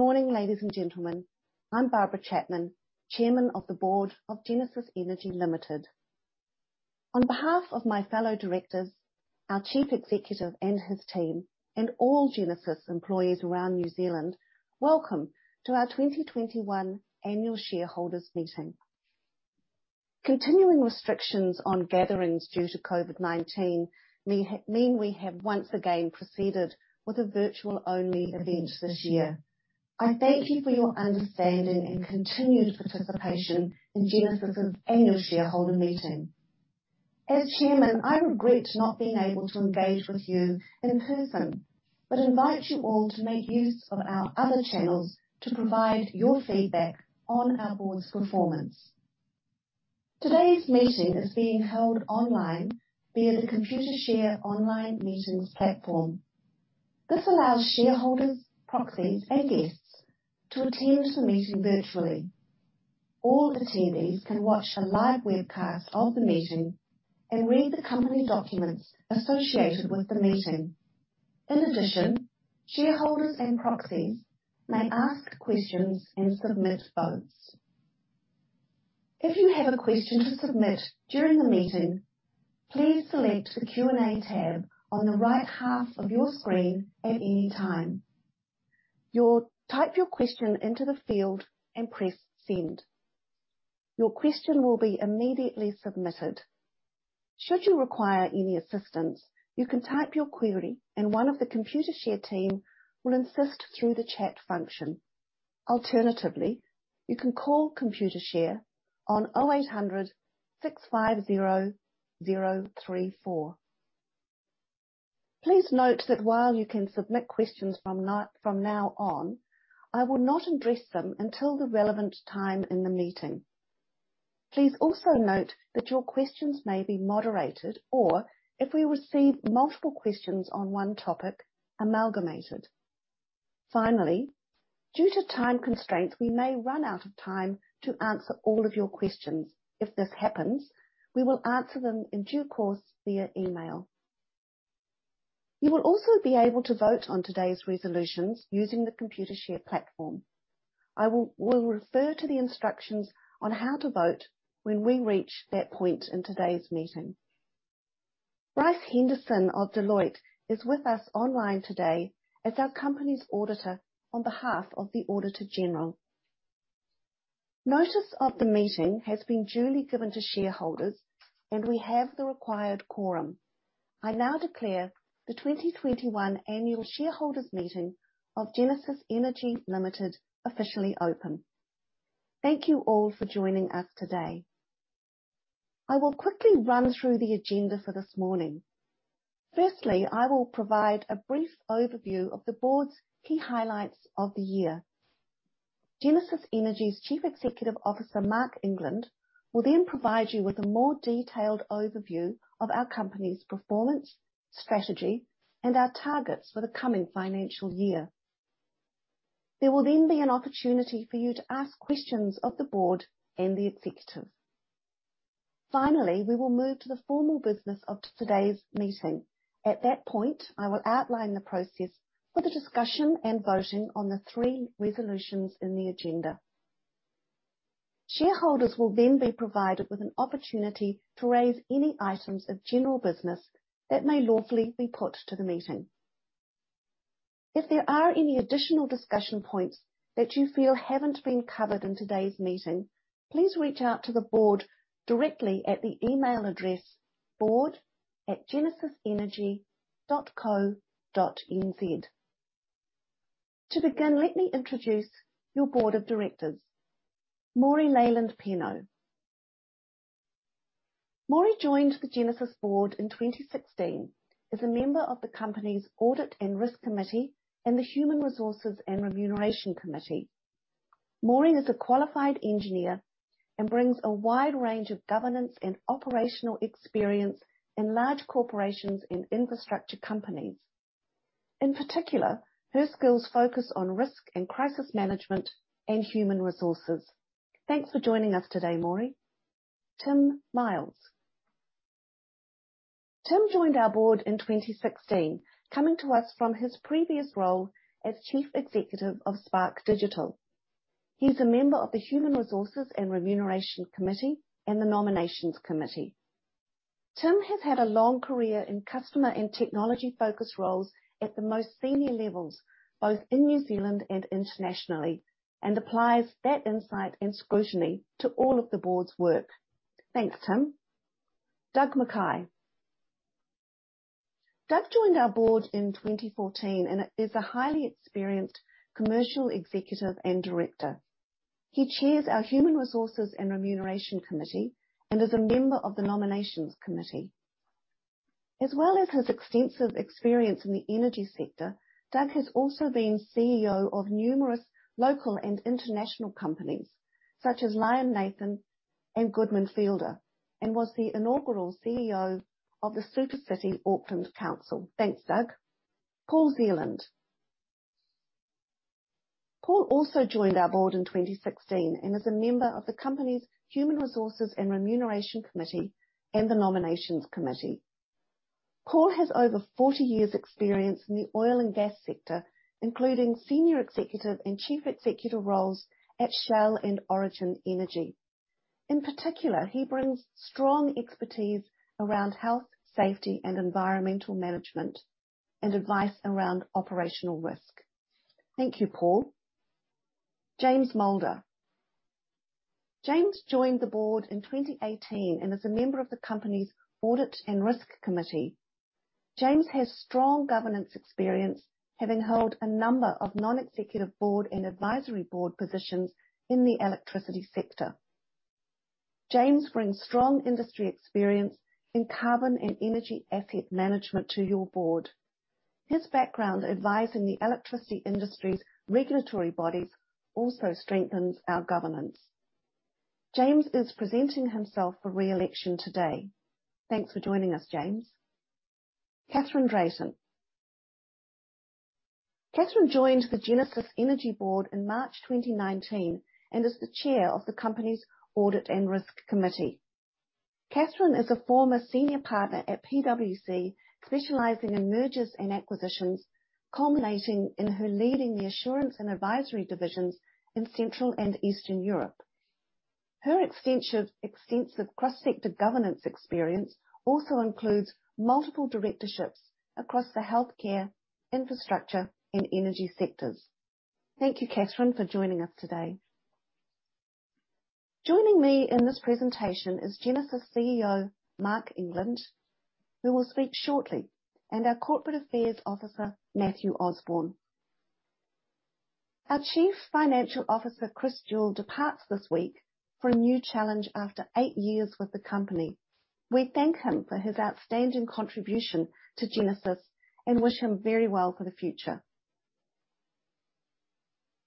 Morning, ladies and gentlemen. I'm Barbara Chapman, Chairman of the Board of Genesis Energy Limited. On behalf of my fellow directors, our Chief Executive and his team, and all Genesis employees around New Zealand, welcome to our 2021 annual shareholders meeting. Continuing restrictions on gatherings due to COVID-19 mean we have once again proceeded with a virtual only event this year. I thank you for your understanding and continued participation in Genesis' annual shareholder meeting. As Chairman, I regret not being able to engage with you in person, but invite you all to make use of our other channels to provide your feedback on our board's performance. Today's meeting is being held online via the Computershare online meetings platform. This allows shareholders, proxies, and guests to attend the meeting virtually. All attendees can watch a live webcast of the meeting and read the company documents associated with the meeting. In addition, shareholders and proxies may ask questions and submit votes. If you have a question to submit during the meeting, please select the Q&A tab on the right half of your screen at any time. Type your question into the field and press Send. Your question will be immediately submitted. Should you require any assistance, you can type your query and one of the Computershare team will assist through the chat function. Alternatively, you can call Computershare on 0800 650 034. Please note that while you can submit questions from now on, I will not address them until the relevant time in the meeting. Please also note that your questions may be moderated, or if we receive multiple questions on one topic, amalgamated. Finally, due to time constraints, we may run out of time to answer all of your questions. If this happens, we will answer them in due course via email. You will also be able to vote on today's resolutions using the Computershare platform. I will refer to the instructions on how to vote when we reach that point in today's meeting. Bryce Henderson of Deloitte is with us online today as our company's auditor on behalf of the Auditor General. Notice of the meeting has been duly given to shareholders and we have the required quorum. I now declare the 2021 annual shareholders meeting of Genesis Energy Limited officially open. Thank you all for joining us today. I will quickly run through the agenda for this morning. Firstly, I will provide a brief overview of the board's key highlights of the year. Genesis Energy's Chief Executive Officer, Marc England, will then provide you with a more detailed overview of our company's performance, strategy, and our targets for the coming financial year. There will then be an opportunity for you to ask questions of the board and the executives. Finally, we will move to the formal business of today's meeting. At that point, I will outline the process for the discussion and voting on the three resolutions in the agenda. Shareholders will then be provided with an opportunity to raise any items of general business that may lawfully be put to the meeting. If there are any additional discussion points that you feel haven't been covered in today's meeting, please reach out to the board directly at the email address board@genesisenergy.co.nz. To begin, let me introduce your board of directors. Maury Leyland. Maury joined the Genesis board in 2016 as a member of the company's Audit and Risk Committee and the Human Resources and Remuneration Committee. Maury is a qualified engineer and brings a wide range of governance and operational experience in large corporations in infrastructure companies. In particular, her skills focus on risk and crisis management in human resources. Thanks for joining us today, Maury. Tim Miles. Tim joined our board in 2016, coming to us from his previous role as Chief Executive of Spark Digital. He's a member of the Human Resources and Remuneration Committee and the Nominations Committee. Tim has had a long career in customer and technology-focused roles at the most senior levels, both in New Zealand and internationally, and applies that insight and scrutiny to all of the board's work. Thanks, Tim. Doug McKay. Doug joined our board in 2014 and is a highly-experienced commercial executive and director. He chairs our Human Resources and Remuneration Committee and is a member of the Nominations Committee. As well as his extensive experience in the energy sector, Doug has also been CEO of numerous local and international companies such as Lion Nathan and Goodman Fielder, and was the inaugural CEO of the Auckland Council. Thanks, Doug. Paul Zealand. Paul also joined our board in 2016 and is a member of the company's Human Resources and Remuneration Committee and the Nominations Committee. Paul has over 40 years experience in the oil and gas sector, including senior executive and chief executive roles at Shell and Origin Energy. In particular, he brings strong expertise around health, safety, and environmental management and advice around operational risk. Thank you, Paul. James Moulder. James joined the board in 2018 and is a member of the company's audit and risk committee. James has strong governance experience, having held a number of non-executive board and advisory board positions in the electricity sector. James brings strong industry experience in carbon and energy asset management to your board. His background advising the electricity industry's regulatory bodies also strengthens our governance. James is presenting himself for re-election today. Thanks for joining us, James. Kathryn Drayton. Kathryn joined the Genesis Energy board in March 2019 and is the chair of the company's audit and risk committee. Kathryn is a former senior partner at PwC, specializing in mergers and acquisitions, culminating in her leading the assurance and advisory divisions in Central and Eastern Europe. Her extensive cross-sector governance experience also includes multiple directorships across the healthcare, infrastructure and energy sectors. Thank you, Kathryn, for joining us today. Joining me in this presentation is Genesis CEO Marc England, who will speak shortly, and our Corporate Affairs Officer, Matthew Osborne. Our Chief Financial Officer, Chris Jewell, departs this week for a new challenge after eight years with the company. We thank him for his outstanding contribution to Genesis and wish him very well for the future.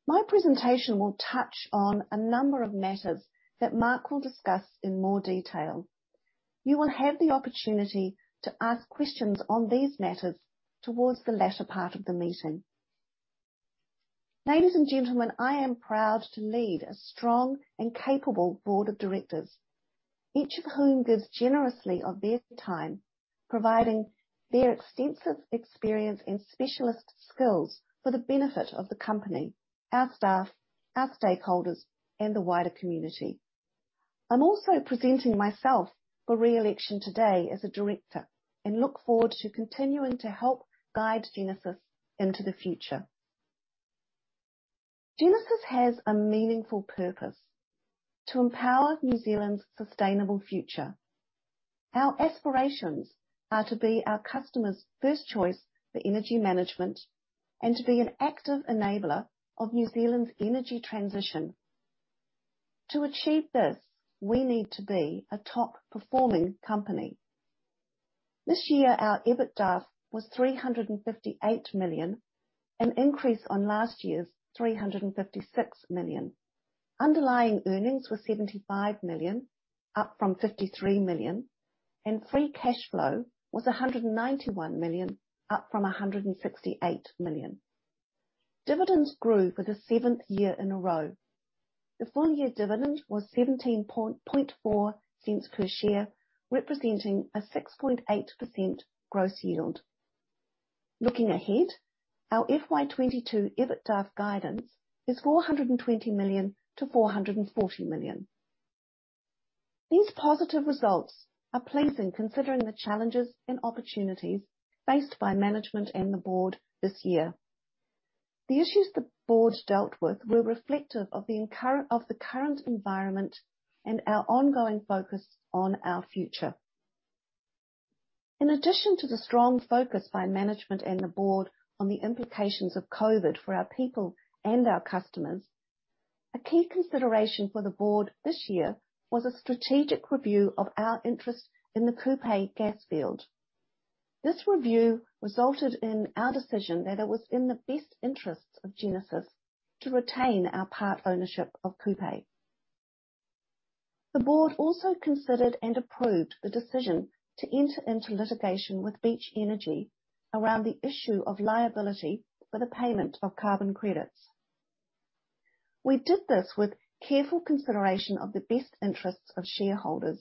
My presentation will touch on a number of matters that Marc will discuss in more detail. You will have the opportunity to ask questions on these matters towards the latter part of the meeting. Ladies and gentlemen, I am proud to lead a strong and capable board of directors, each of whom gives generously of their time, providing their extensive experience and specialist skills for the benefit of the company, our staff, our stakeholders and the wider community. I'm also presenting myself for re-election today as a director and look forward to continuing to help guide Genesis Energy into the future. Genesis Energy has a meaningful purpose: to empower New Zealand's sustainable future. Our aspirations are to be our customers' first choice for energy management and to be an active enabler of New Zealand's energy transition. To achieve this, we need to be a top performing company. This year our EBITDA was NZD 358 million, an increase on last year's NZD 356 million. Underlying earnings were NZD 75 million, up from NZD 53 million, and free cash flow was NZD 191 million, up from NZD 168 million. Dividends grew for the seventh year in a row. The full year dividend was 0.174 per share, representing a 6.8% gross yield. Looking ahead, our FY 2022 EBITDA guidance is 420 million-440 million. These positive results are pleasing considering the challenges and opportunities faced by management and the board this year. The issues the board dealt with were reflective of the current environment and our ongoing focus on our future. In addition to the strong focus by management and the board on the implications of COVID for our people and our customers, a key consideration for the board this year was a strategic review of our interest in the Kupe Gas Field. This review resulted in our decision that it was in the best interests of Genesis to retain our part ownership of Kupe. The board also considered and approved the decision to enter into litigation with Beach Energy around the issue of liability for the payment of carbon credits. We did this with careful consideration of the best interests of shareholders,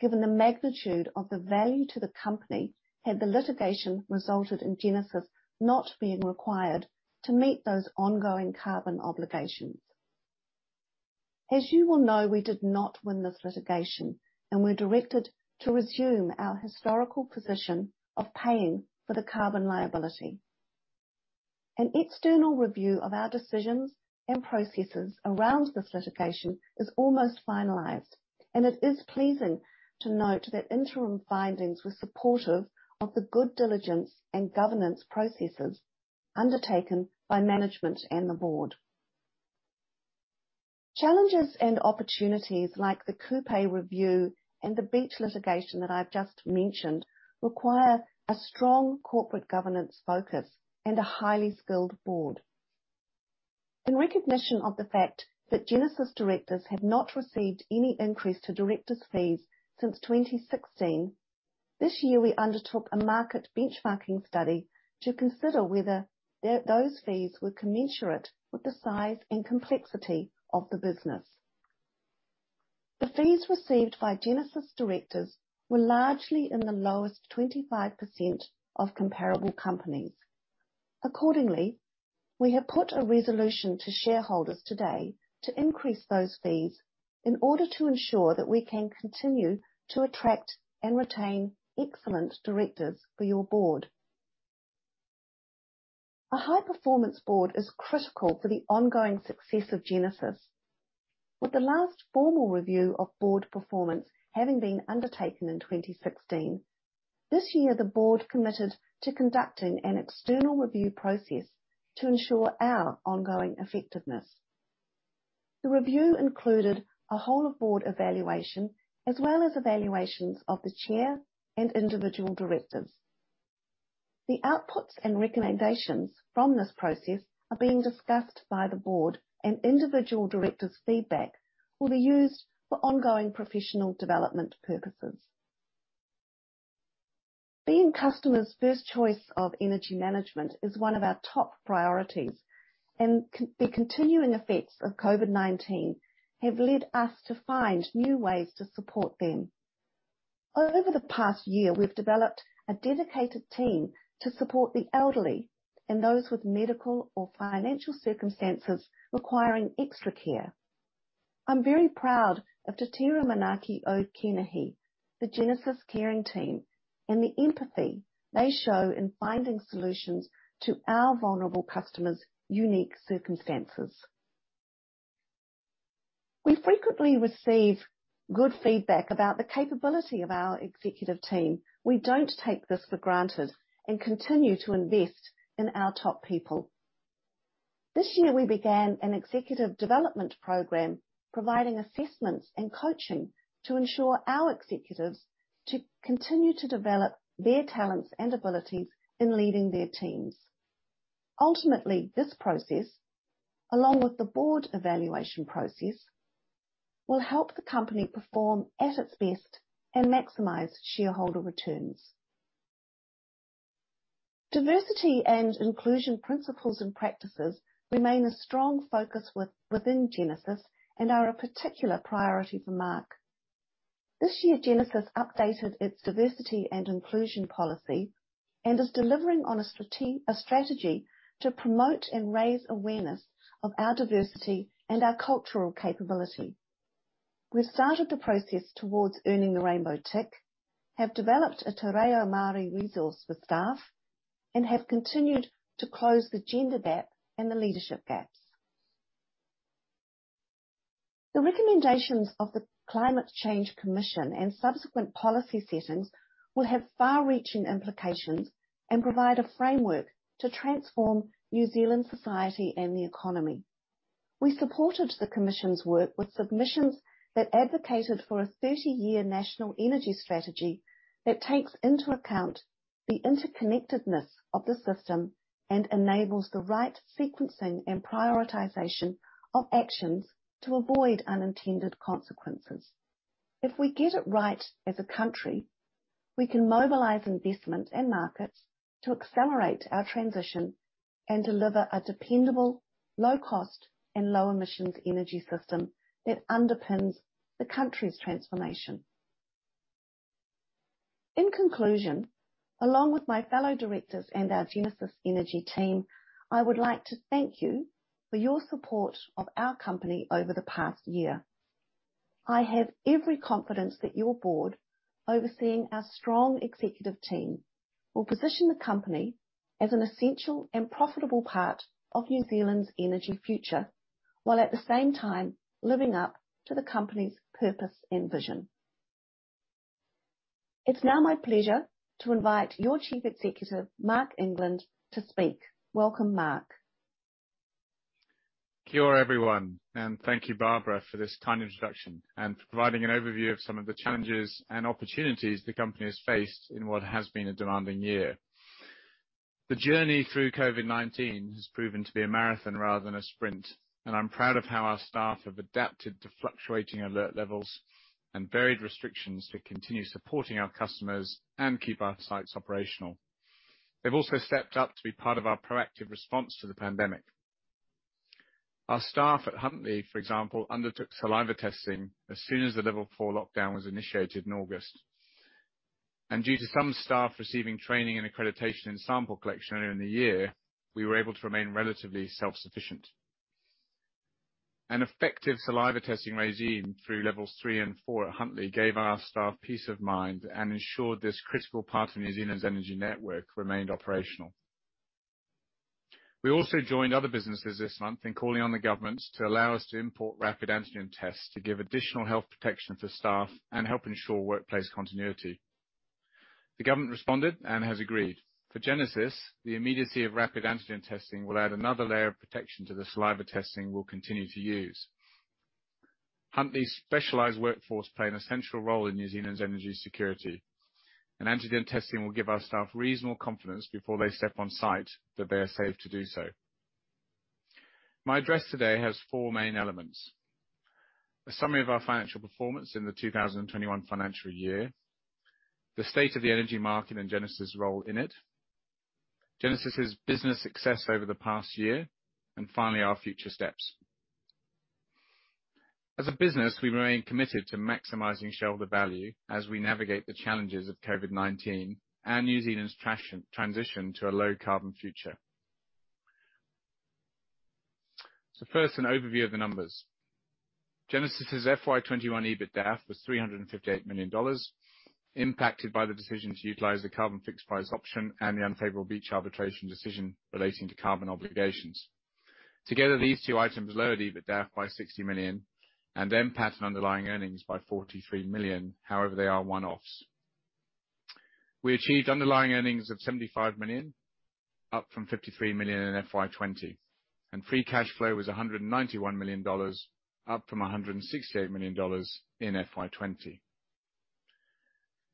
given the magnitude of the value to the company had the litigation resulted in Genesis not being required to meet those ongoing carbon obligations. As you will know, we did not win this litigation and we're directed to resume our historical position of paying for the carbon liability. An external review of our decisions and processes around this litigation is almost finalized, and it is pleasing to note that interim findings were supportive of the due diligence and governance processes undertaken by management and the board. Challenges and opportunities like the Kupe review and the Beach litigation that I've just mentioned require a strong corporate governance focus and a highly-skilled board. In recognition of the fact that Genesis directors have not received any increase to directors' fees since 2016, this year we undertook a market benchmarking study to consider whether those fees were commensurate with the size and complexity of the business. The fees received by Genesis directors were largely in the lowest 25% of comparable companies. Accordingly, we have put a resolution to shareholders today to increase those fees in order to ensure that we can continue to attract and retain excellent directors for your board. A high performance board is critical for the ongoing success of Genesis. With the last formal review of board performance having been undertaken in 2016, this year the board committed to conducting an external review process to ensure our ongoing effectiveness. The review included a whole of board evaluation as well as evaluations of the chair and individual directors. The outputs and recommendations from this process are being discussed by the board, and individual directors' feedback will be used for ongoing professional development purposes. Being customers' first choice of energy management is one of our top priorities, and the continuing effects of COVID-19 have led us to find new ways to support them. Over the past year, we've developed a dedicated team to support the elderly and those with medical or financial circumstances requiring extra care. I'm very proud of Te Tira Manaaki o Kenehi, the Genesis caring team, and the empathy they show in finding solutions to our vulnerable customers' unique circumstances. We frequently receive good feedback about the capability of our executive team. We don't take this for granted and continue to invest in our top people. This year, we began an executive development program providing assessments and coaching to ensure our executives to continue to develop their talents and abilities in leading their teams. Ultimately, this process, along with the board evaluation process, will help the company perform at its best and maximize shareholder returns. Diversity and inclusion principles and practices remain a strong focus within Genesis and are a particular priority for Marc. This year, Genesis updated its diversity and inclusion policy and is delivering on a strategy to promote and raise awareness of our diversity and our cultural capability. We've started the process towards earning the Rainbow Tick, have developed a te reo Māori resource for staff, and have continued to close the gender gap and the leadership gaps. The recommendations of the Climate Change Commission and subsequent policy settings will have far-reaching implications and provide a framework to transform New Zealand society and the economy. We supported the commission's work with submissions that advocated for a 30-year national energy strategy that takes into account the interconnectedness of the system and enables the right sequencing and prioritization of actions to avoid unintended consequences. If we get it right as a country, we can mobilize investment and markets to accelerate our transition and deliver a dependable, low-cost and low emissions energy system that underpins the country's transformation. In conclusion, along with my fellow directors and our Genesis Energy team, I would like to thank you for your support of our company over the past year. I have every confidence that your board, overseeing our strong executive team, will position the company as an essential and profitable part of New Zealand's energy future, while at the same time living up to the company's purpose and vision. It's now my pleasure to invite your Chief Executive, Marc England, to speak. Welcome, Marc. Kia ora, everyone, and thank you, Barbara, for this kind introduction and for providing an overview of some of the challenges and opportunities the company has faced in what has been a demanding year. The journey through COVID-19 has proven to be a marathon rather than a sprint, and I'm proud of how our staff have adapted to fluctuating alert levels and varied restrictions to continue supporting our customers and keep our sites operational. They've also stepped up to be part of our proactive response to the pandemic. Our staff at Huntly, for example, undertook saliva testing as soon as the level four lockdown was initiated in August. Due to some staff receiving training and accreditation in sample collection earlier in the year, we were able to remain relatively self-sufficient. An effective saliva testing regime through levels 3 and 4 at Huntly gave our staff peace of mind and ensured this critical part of New Zealand's energy network remained operational. We also joined other businesses this month in calling on the government to allow us to import rapid antigen tests to give additional health protection for staff and help ensure workplace continuity. The government responded and has agreed. For Genesis, the immediacy of rapid antigen testing will add another layer of protection to the saliva testing we'll continue to use. Huntly's specialized workforce plays an essential role in New Zealand's energy security, and antigen testing will give our staff reasonable confidence before they step on site that they are safe to do so. My address today has four main elements: a summary of our financial performance in the 2021 financial year, the state of the energy market and Genesis' role in it. Genesis' business success over the past year, and finally, our future steps. As a business, we remain committed to maximizing shareholder value as we navigate the challenges of COVID-19 and New Zealand's transition to a low-carbon future. First, an overview of the numbers. Genesis' FY 2021 EBITDA was 358 million dollars, impacted by the decision to utilize the carbon fixed price option and the unfavorable Beach arbitration decision relating to carbon obligations. Together, these two items lowered EBITDA by 60 million and impacted underlying earnings by 43 million. However, they are one-offs. We achieved underlying earnings of 75 million, up from 53 million in FY 2020, and free cash flow was 191 million dollars, up from 168 million dollars in FY 2020.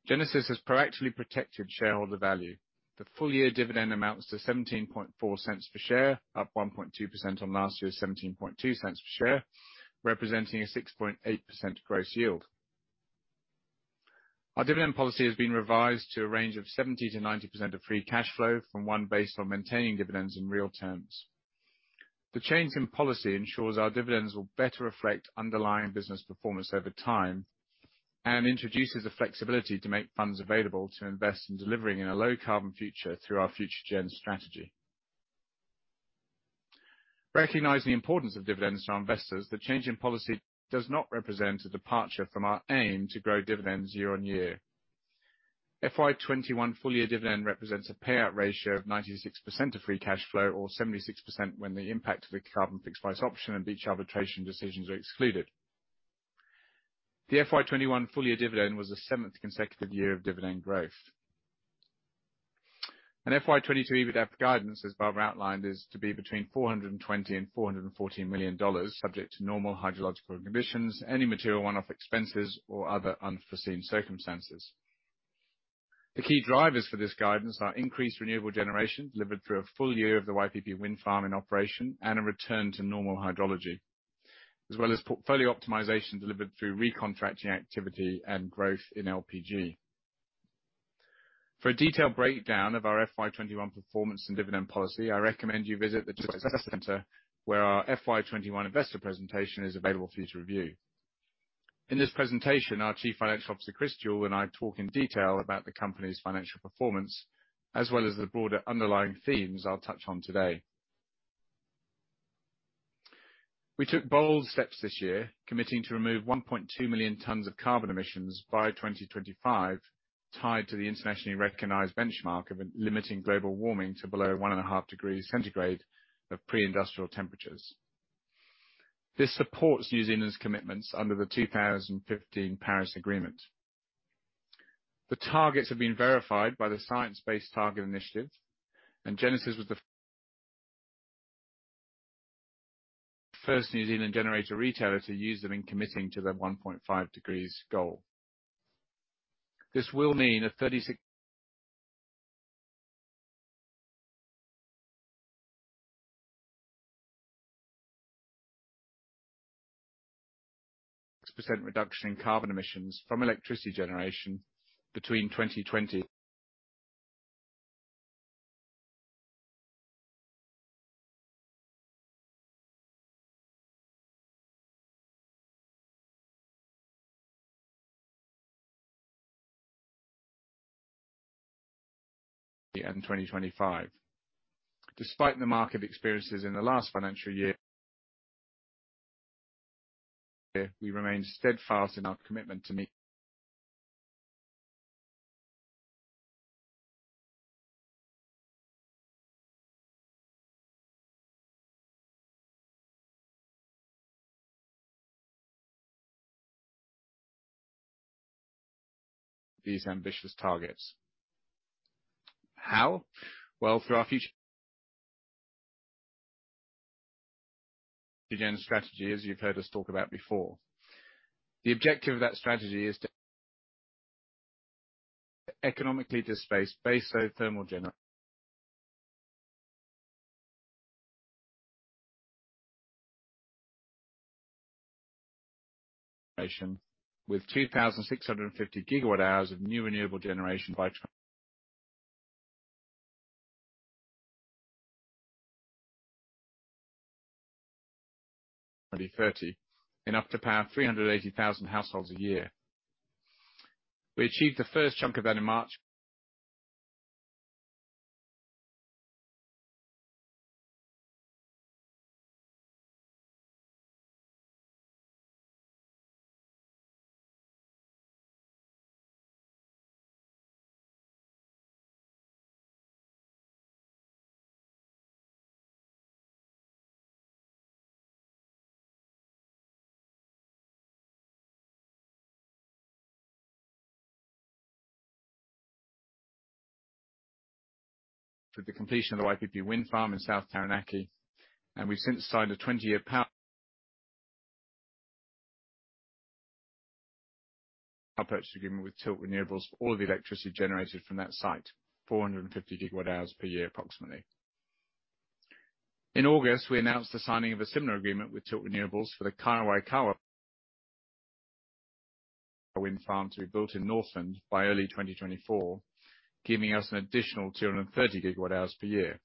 Genesis has proactively protected shareholder value. The full year dividend amounts to 0.174 per share, up 1.2% on last year's 0.172 per share, representing a 6.8% gross yield. Our dividend policy has been revised to a range of 70%-90% of free cash flow from one based on maintaining dividends in real terms. The change in policy ensures our dividends will better reflect underlying business performance over time, and introduces the flexibility to make funds available to invest in delivering in a low-carbon future through our Future-gen strategy. Recognizing the importance of dividends to our investors, the change in policy does not represent a departure from our aim to grow dividends year-on-year. FY 2021 full-year dividend represents a payout ratio of 96% of free cash flow or 76% when the impact of the carbon fixed price option and Beach arbitration decisions are excluded. The FY 2021 full-year dividend was the seventh consecutive year of dividend growth. FY 2022 EBITDA guidance, as Barbara outlined, is to be between 420 million dollars and NZD 440 million, subject to normal hydrological conditions, any material one-off expenses or other unforeseen circumstances. The key drivers for this guidance are increased renewable generation delivered through a full-year of the YPP wind farm in operation and a return to normal hydrology, as well as portfolio optimization delivered through recontracting activity and growth in LPG. For a detailed breakdown of our FY 2021 performance and dividend policy, I recommend you visit the Investor Center, where our FY 2021 investor presentation is available for you to review. In this presentation, our Chief Financial Officer, Chris Jewell, and I talk in detail about the company's financial performance as well as the broader underlying themes I'll touch on today. We took bold steps this year, committing to remove 1.2 million tons of carbon emissions by 2025, tied to the internationally recognized benchmark of limiting global warming to below 1.5 degrees centigrade of pre-industrial temperatures. This supports New Zealand's commitments under the 2015 Paris Agreement. The targets have been verified by the Science Based Targets initiative, and Genesis was the first New Zealand generator retailer to use them in committing to the 1.5 degrees goal. This will mean a 36% reduction in carbon emissions from electricity generation between 2020 and 2025. Despite the market experiences in the last financial year, we remain steadfast in our commitment to meet these ambitious targets. How? Well, through our Future-gen strategy, as you've heard us talk about before. The objective of that strategy is to economically displace base load thermal generation with 2,650 gigawatt hours of new renewable generation by 2030, enough to power 380,000 households a year. We achieved the first chunk of that in March with the completion of the Waipipi wind farm in South Taranaki, and we've since signed a 20-year power purchase agreement with Tilt Renewables for all the electricity generated from that site, 450 GWh per year, approximately. In August, we announced the signing of a similar agreement with Tilt Renewables for the Kaiwaikawe wind farm to be built in Northland by early 2024, giving us an additional 230 GWh per year.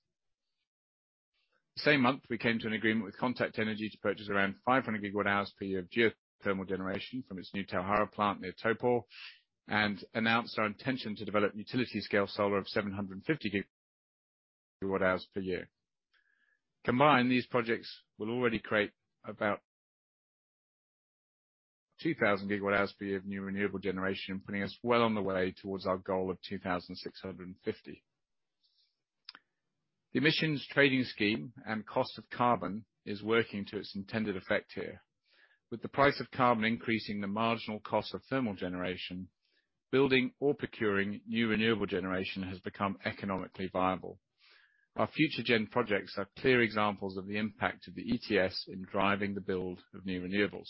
Same month, we came to an agreement with Contact Energy to purchase around 500 GWh per year of geothermal generation from its new Tauhara plant near Taupō, and announced our intention to develop utility scale solar of 750 GWh per year. Combined, these projects will already create about 2,000 gigawatt hours per year of new renewable generation, putting us well on the way towards our goal of 2,650. The emissions trading scheme and cost of carbon is working to its intended effect here. With the price of carbon increasing the marginal cost of thermal generation, building or procuring new renewable generation has become economically viable. Our Future-gen projects are clear examples of the impact of the ETS in driving the build of new renewables.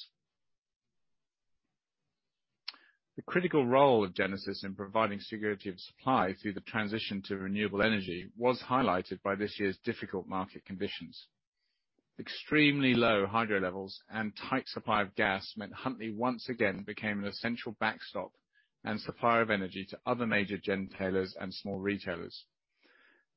The critical role of Genesis in providing security of supply through the transition to renewable energy was highlighted by this year's difficult market conditions. Extremely low hydro levels and tight supply of gas meant Huntly once again became an essential backstop and supplier of energy to other major gentailers and small retailers.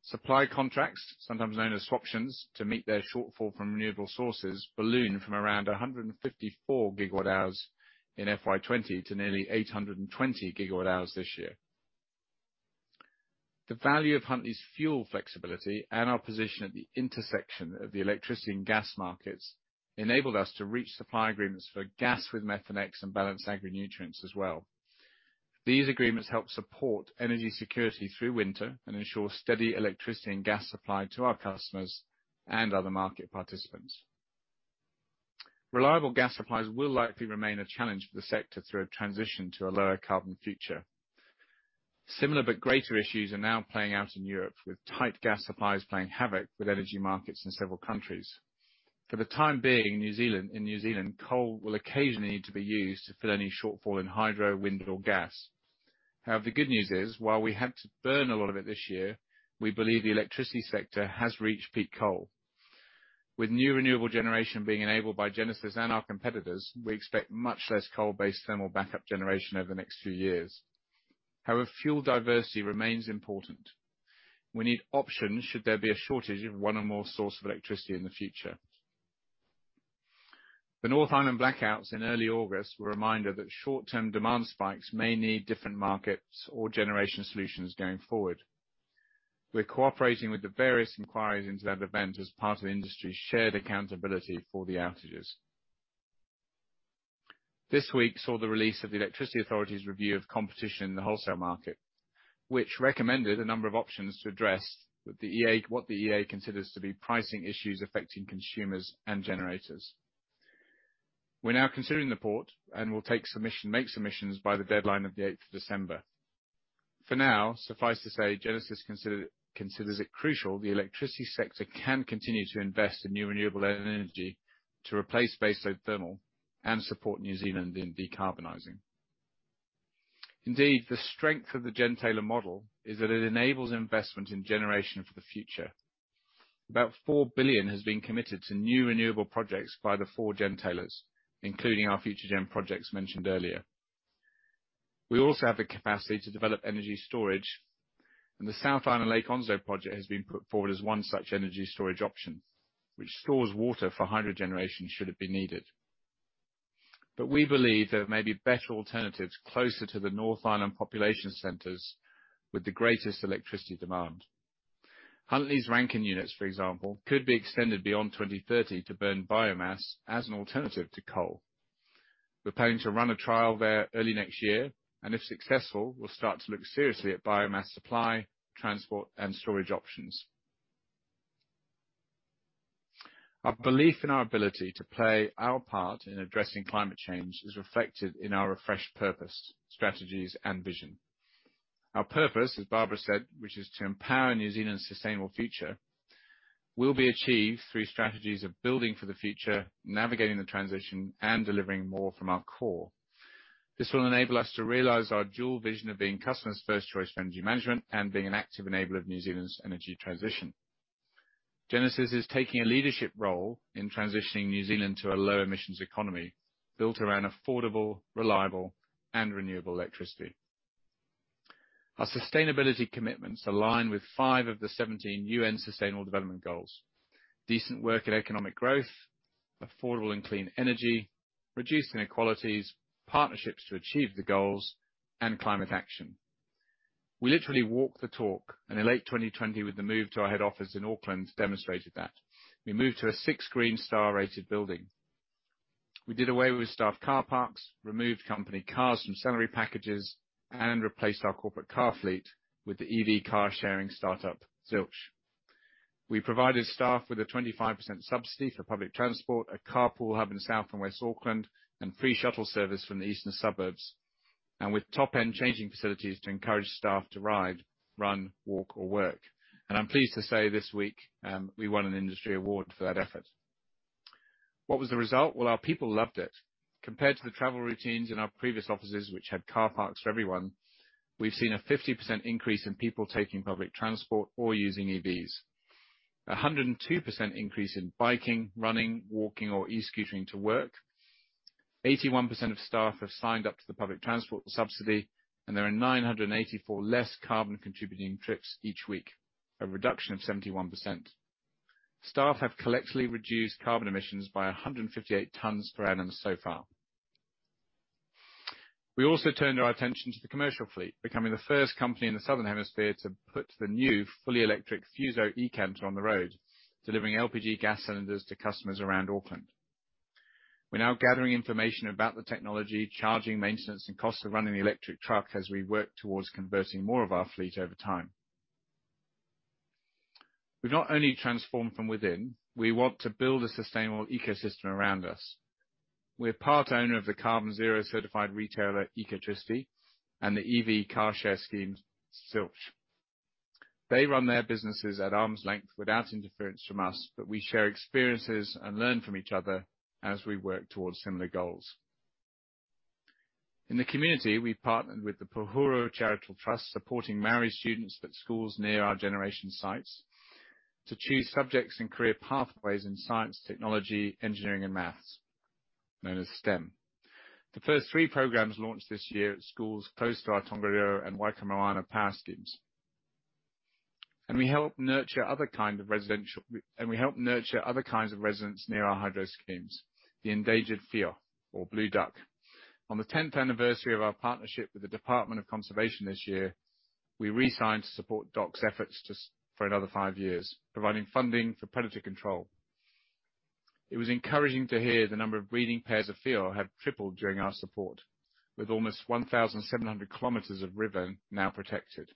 Supply contracts, sometimes known as swaptions to meet their shortfall from renewable sources, ballooned from around 154 GWh in FY 2020 to nearly 820 GWh this year. The value of Huntly's fuel flexibility and our position at the intersection of the electricity and gas markets enabled us to reach supply agreements for gas with Methanex and Ballance Agri-Nutrients as well. These agreements help support energy security through winter and ensure steady electricity and gas supply to our customers and other market participants. Reliable gas supplies will likely remain a challenge for the sector through a transition to a lower carbon future. Similar but greater issues are now playing out in Europe, with tight gas supplies playing havoc with energy markets in several countries. For the time being, in New Zealand, coal will occasionally need to be used to fill any shortfall in hydro, wind or gas. Now, the good news is, while we had to burn a lot of it this year, we believe the electricity sector has reached peak coal. With new renewable generation being enabled by Genesis and our competitors, we expect much less coal-based thermal backup generation over the next few years. However, fuel diversity remains important. We need options should there be a shortage of one or more source of electricity in the future. The North Island blackouts in early August were a reminder that short-term demand spikes may need different markets or generation solutions going forward. We're cooperating with the various inquiries into that event as part of the industry's shared accountability for the outages. This week saw the release of the Electricity Authority's review of competition in the wholesale market, which recommended a number of options to address what the EA considers to be pricing issues affecting consumers and generators. We're now considering the report and will make submissions by the deadline of the eighth of December. For now, suffice to say, Genesis considers it crucial the electricity sector can continue to invest in new renewable energy to replace baseload thermal and support New Zealand in decarbonizing. Indeed, the strength of the gentailer model is that it enables investment in generation for the future. About 4 billion has been committed to new renewable projects by the 4 gentailers, including our Future-gen projects mentioned earlier. We also have the capacity to develop energy storage, and the South Island Lake Onslow project has been put forward as one such energy storage option, which stores water for hydro generation should it be needed. We believe there may be better alternatives closer to the North Island population centers with the greatest electricity demand. Huntly's Rankine units, for example, could be extended beyond 2030 to burn biomass as an alternative to coal. We're planning to run a trial there early next year, and if successful, we'll start to look seriously at biomass supply, transport, and storage options. Our belief in our ability to play our part in addressing climate change is reflected in our refreshed purpose, strategies, and vision. Our purpose, as Barbara said, which is to empower New Zealand's sustainable future, will be achieved through strategies of building for the future, navigating the transition, and delivering more from our core. This will enable us to realize our dual vision of being customers' first choice for energy management and being an active enabler of New Zealand's energy transition. Genesis is taking a leadership role in transitioning New Zealand to a low emissions economy built around affordable, reliable, and renewable electricity. Our sustainability commitments align with five of the 17 UN Sustainable Development Goals, Decent Work and Economic Growth, Affordable and Clean Energy, Reduced Inequalities, Partnerships to Achieve the Goals, and Climate Action. We literally walk the talk, and in late 2020, with the move to our head office in Auckland, demonstrated that. We moved to a Six Green Star rated building. We did away with staff car parks, removed company cars from salary packages, and replaced our corporate car fleet with the EV car-sharing start-up, Zilch. We provided staff with a 25% subsidy for public transport, a carpool hub in South and West Auckland, and free shuttle service from the eastern suburbs, and with top-end changing facilities to encourage staff to ride, run, walk, or work. I'm pleased to say this week, we won an industry award for that effort. What was the result? Well, our people loved it. Compared to the travel routines in our previous offices, which had car parks for everyone. We've seen a 50% increase in people taking public transport or using EVs. A 102% increase in biking, running, walking, or e-scootering to work. 81% of staff have signed up to the public transport subsidy, and there are 984 less carbon contributing trips each week, a reduction of 71%. Staff have collectively reduced carbon emissions by 158 tons per annum so far. We also turned our attention to the commercial fleet, becoming the first company in the Southern Hemisphere to put the new fully electric FUSO eCanter on the road, delivering LPG gas cylinders to customers around Auckland. We're now gathering information about the technology, charging, maintenance, and cost of running the electric truck as we work towards converting more of our fleet over time. We've not only transformed from within, we want to build a sustainable ecosystem around us. We're part owner of the carbon zero-certified retailer, Ecotricity, and the EV car share scheme, Zilch. They run their businesses at arm's length without interference from us, but we share experiences and learn from each other as we work towards similar goals. In the community, we've partnered with the Pūhoro Charitable Trust, supporting Māori students at schools near our generation sites to choose subjects and career pathways in science, technology, engineering, and math, known as STEM. The first three programs launched this year at schools close to our Tongariro and Waikaremoana power schemes. We help nurture other kinds of residents near our hydro schemes, the endangered whio or blue duck. On the tenth anniversary of our partnership with the Department of Conservation this year, we re-signed to support DOC's efforts just for another five years, providing funding for predator control. It was encouraging to hear the number of breeding pairs of whio had tripled during our support, with almost 1,700 km of river now protected.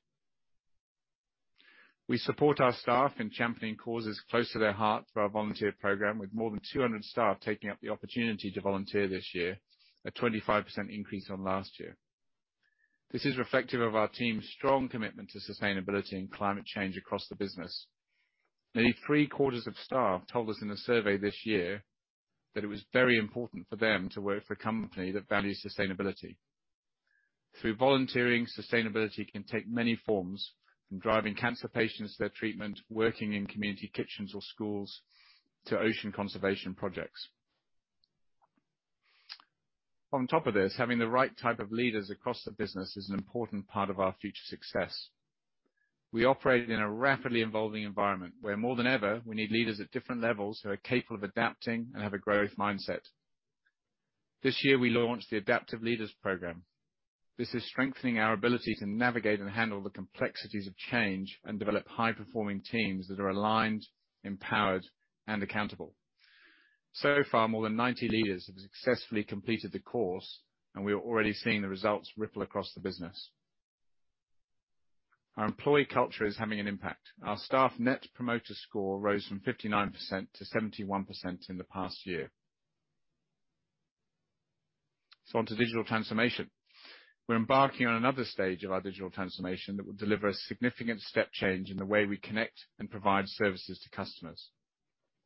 We support our staff in championing causes close to their hearts for our volunteer program, with more than 200 staff taking up the opportunity to volunteer this year, a 25% increase on last year. This is reflective of our team's strong commitment to sustainability and climate change across the business. Nearly three-quarters of staff told us in a survey this year that it was very important for them to work for a company that values sustainability. Through volunteering, sustainability can take many forms from driving cancer patients to their treatment, working in community kitchens or schools, to ocean conservation projects. On top of this, having the right type of leaders across the business is an important part of our future success. We operate in a rapidly evolving environment where more than ever we need leaders at different levels who are capable of adapting and have a growth mindset. This year, we launched the Adaptive Leaders Program. This is strengthening our ability to navigate and handle the complexities of change and develop high-performing teams that are aligned, empowered, and accountable. So far, more than 90 leaders have successfully completed the course, and we are already seeing the results ripple across the business. Our employee culture is having an impact. Our staff net promoter score rose from 59% to 71% in the past year. On to digital transformation. We're embarking on another stage of our digital transformation that will deliver a significant step change in the way we connect and provide services to customers.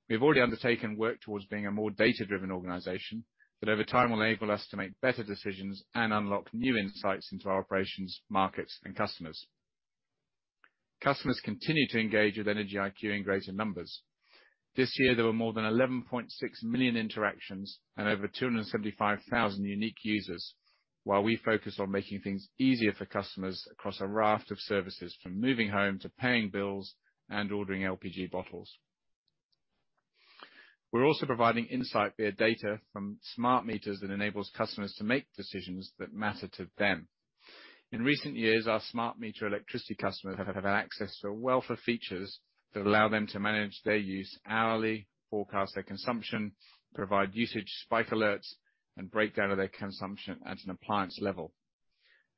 We have already undertaken work towards being a more data-driven organization that over time will enable us to make better decisions and unlock new insights into our operations, markets, and customers. Customers continue to engage with EnergyIQ in greater numbers. This year, there were more than 11.6 million interactions and over 275,000 unique users, while we focus on making things easier for customers across a raft of services from moving home to paying bills and ordering LPG bottles. We're also providing insight via data from smart meters that enables customers to make decisions that matter to them. In recent years, our smart meter electricity customers have had access to a wealth of features that allow them to manage their use hourly, forecast their consumption, provide usage spike alerts, and breakdown of their consumption at an appliance level.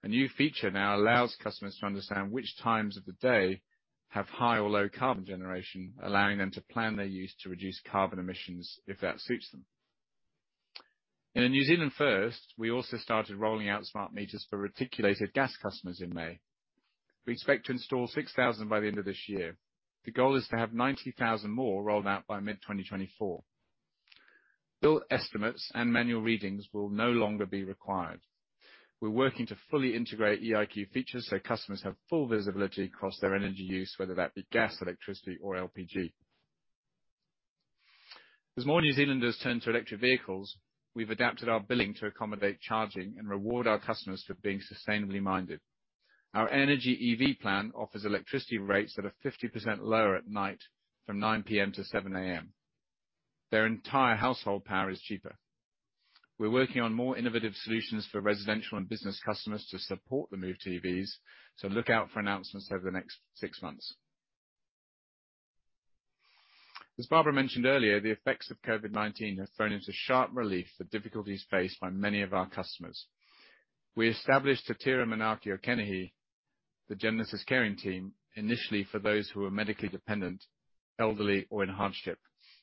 A new feature now allows customers to understand which times of the day have high or low-carbon generation, allowing them to plan their use to reduce carbon emissions if that suits them. In a New Zealand first, we also started rolling out smart meters for reticulated gas customers in May. We expect to install 6,000 by the end of this year. The goal is to have 90,000 more rolled out by mid-2024. Bill estimates and manual readings will no longer be required. We're working to fully integrate EIQ features so customers have full visibility across their energy use, whether that be gas, electricity, or LPG. As more New Zealanders turn to electric vehicles, we've adapted our billing to accommodate charging and reward our customers for being sustainably minded. Our energy EV plan offers electricity rates that are 50% lower at night from 9 P.M. to 7 A.M. Their entire household power is cheaper. We're working on more innovative solutions for residential and business customers to support the move to EVs, so look out for announcements over the next 6 months. As Barbara mentioned earlier, the effects of COVID-19 have thrown into sharp relief the difficulties faced by many of our customers. We established Te Tira Manaaki o Kenehi, the Genesis caring team, initially for those who are medically dependent, elderly, or in hardship,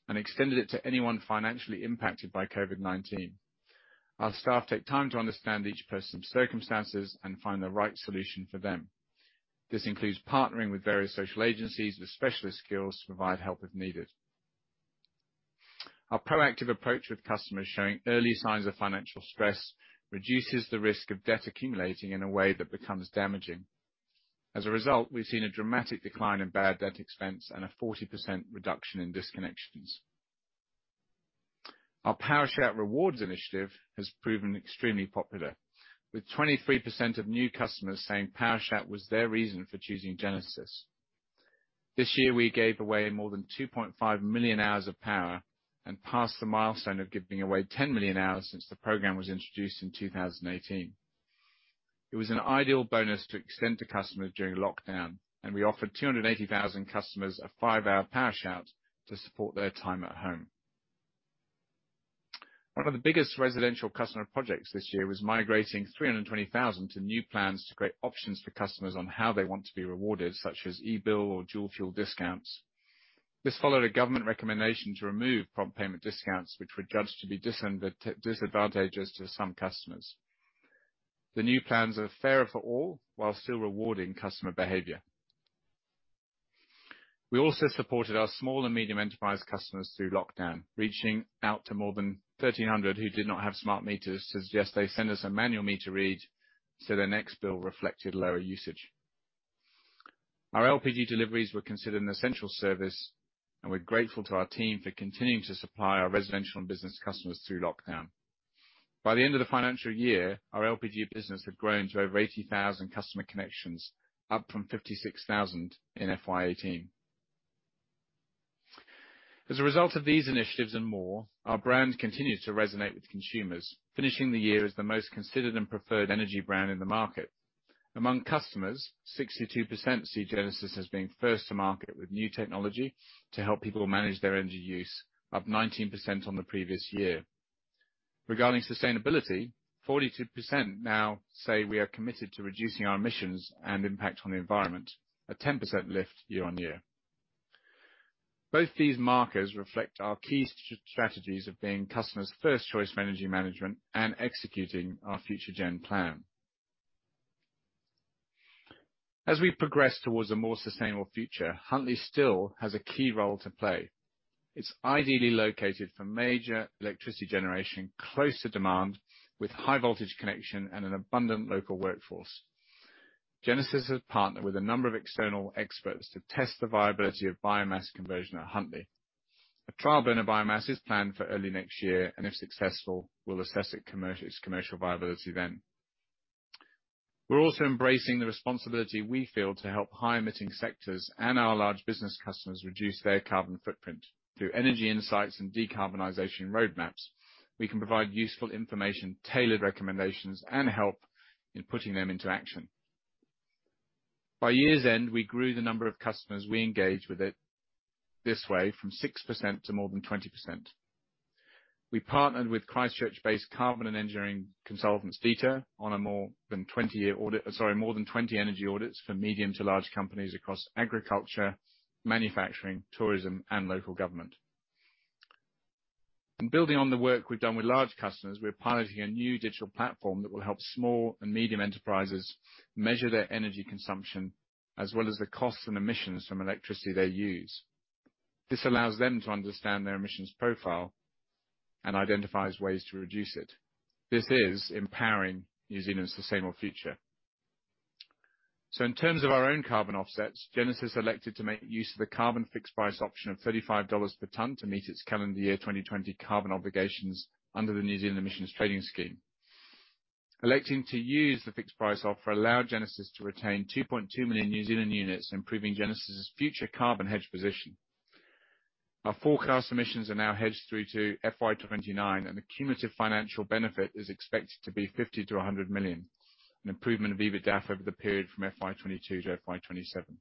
and extended it to anyone financially impacted by COVID-19. Our staff take time to understand each person's circumstances and find the right solution for them. This includes partnering with various social agencies with specialist skills to provide help if needed. Our proactive approach with customers showing early signs of financial stress reduces the risk of debt accumulating in a way that becomes damaging. As a result, we've seen a dramatic decline in bad debt expense and a 40% reduction in disconnections. Our Power Shout rewards initiative has proven extremely popular, with 23% of new customers saying Power Shout was their reason for choosing Genesis. This year, we gave away more than 2.5 million hours of power and passed the milestone of giving away 10 million hours since the program was introduced in 2018. It was an ideal bonus to extend to customers during lockdown, and we offered 280,000 customers a five-hour Power Shout to support their time at home. One of the biggest residential customer projects this year was migrating 320,000 to new plans to create options for customers on how they want to be rewarded, such as eBill or dual fuel discounts. This followed a government recommendation to remove prompt payment discounts, which were judged to be disadvantages to some customers. The new plans are fairer for all, while still rewarding customer behavior. We also supported our small and medium enterprise customers through lockdown, reaching out to more than 1,300 who did not have smart meters to suggest they send us a manual meter read, so their next bill reflected lower usage. Our LPG deliveries were considered an essential service, and we're grateful to our team for continuing to supply our residential and business customers through lockdown. By the end of the financial year, our LPG business had grown to over 80,000 customer connections, up from 56,000 in FY 2018. As a result of these initiatives and more, our brand continued to resonate with consumers, finishing the year as the most considered and preferred energy brand in the market. Among customers, 62% see Genesis as being first to market with new technology to help people manage their energy use, up 19% on the previous year. Regarding sustainability, 42% now say we are committed to reducing our emissions and impact on the environment, a 10% lift year-on-year. Both these markers reflect our key strategies of being customers' first choice for energy management and executing our Future-gen plan. As we progress towards a more sustainable future, Huntly still has a key role to play. It's ideally located for major electricity generation close to demand, with high voltage connection and an abundant local workforce. Genesis has partnered with a number of external experts to test the viability of biomass conversion at Huntly. A trial burn of biomass is planned for early next year, and if successful, we'll assess its commercial viability then. We're also embracing the responsibility we feel to help high-emitting sectors and our large business customers reduce their carbon footprint. Through energy insights and decarbonization roadmaps, we can provide useful information, tailored recommendations, and help in putting them into action. By year's end, we grew the number of customers we engaged with it this way from 6% to more than 20%. We partnered with Christchurch-based carbon and engineering consultants, detail, on a more than 20-year audit. Sorry, more than 20 energy audits for medium to large companies across agriculture, manufacturing, tourism, and local government. Building on the work we've done with large customers, we're piloting a new digital platform that will help small and medium enterprises measure their energy consumption, as well as the costs and emissions from electricity they use. This allows them to understand their emissions profile and identifies ways to reduce it. This is empowering New Zealand's sustainable future. In terms of our own carbon offsets, Genesis elected to make use of the carbon fixed price option of 35 dollars per ton to meet its calendar year 2020 carbon obligations under the New Zealand Emissions Trading Scheme. Electing to use the fixed price offer allowed Genesis to retain 2.2 million New Zealand units, improving Genesis' future carbon hedge position. Our forecast emissions are now hedged through to FY 2029, and the cumulative financial benefit is expected to be 50 million-100 million, an improvement of EBITDA over the period from FY 2022 to FY 2027.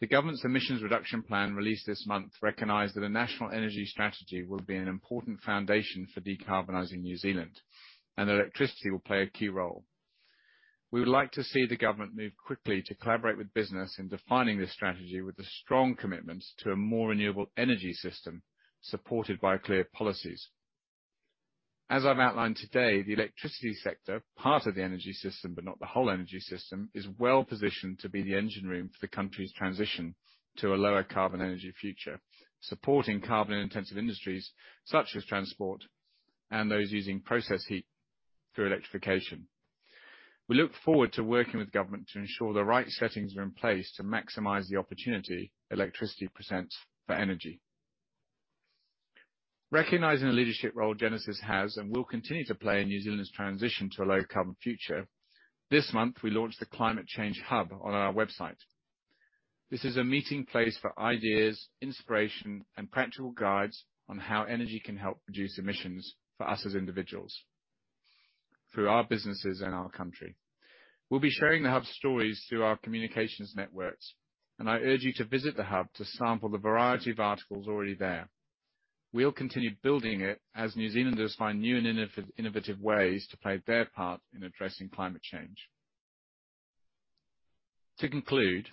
The government's emissions reduction plan, released this month, recognized that a national energy strategy will be an important foundation for decarbonizing New Zealand, and that electricity will play a key role. We would like to see the government move quickly to collaborate with business in defining this strategy with the strong commitments to a more renewable energy system supported by clear policies. As I've outlined today, the electricity sector, part of the energy system but not the whole energy system, is well-positioned to be the engine room for the country's transition to a lower carbon energy future, supporting carbon-intensive industries such as transport and those using process heat through electrification. We look forward to working with the government to ensure the right settings are in place to maximize the opportunity electricity presents for energy. Recognizing the leadership role Genesis has and will continue to play in New Zealand's transition to a low-carbon future, this month, we launched the Climate Change Hub on our website. This is a meeting place for ideas, inspiration, and practical guides on how energy can help reduce emissions for us as individuals through our businesses and our country. We'll be sharing the Hub stories through our communications networks, and I urge you to visit the Hub to sample the variety of articles already there. We'll continue building it as New Zealanders find new and innovative ways to play their part in addressing climate change. To conclude,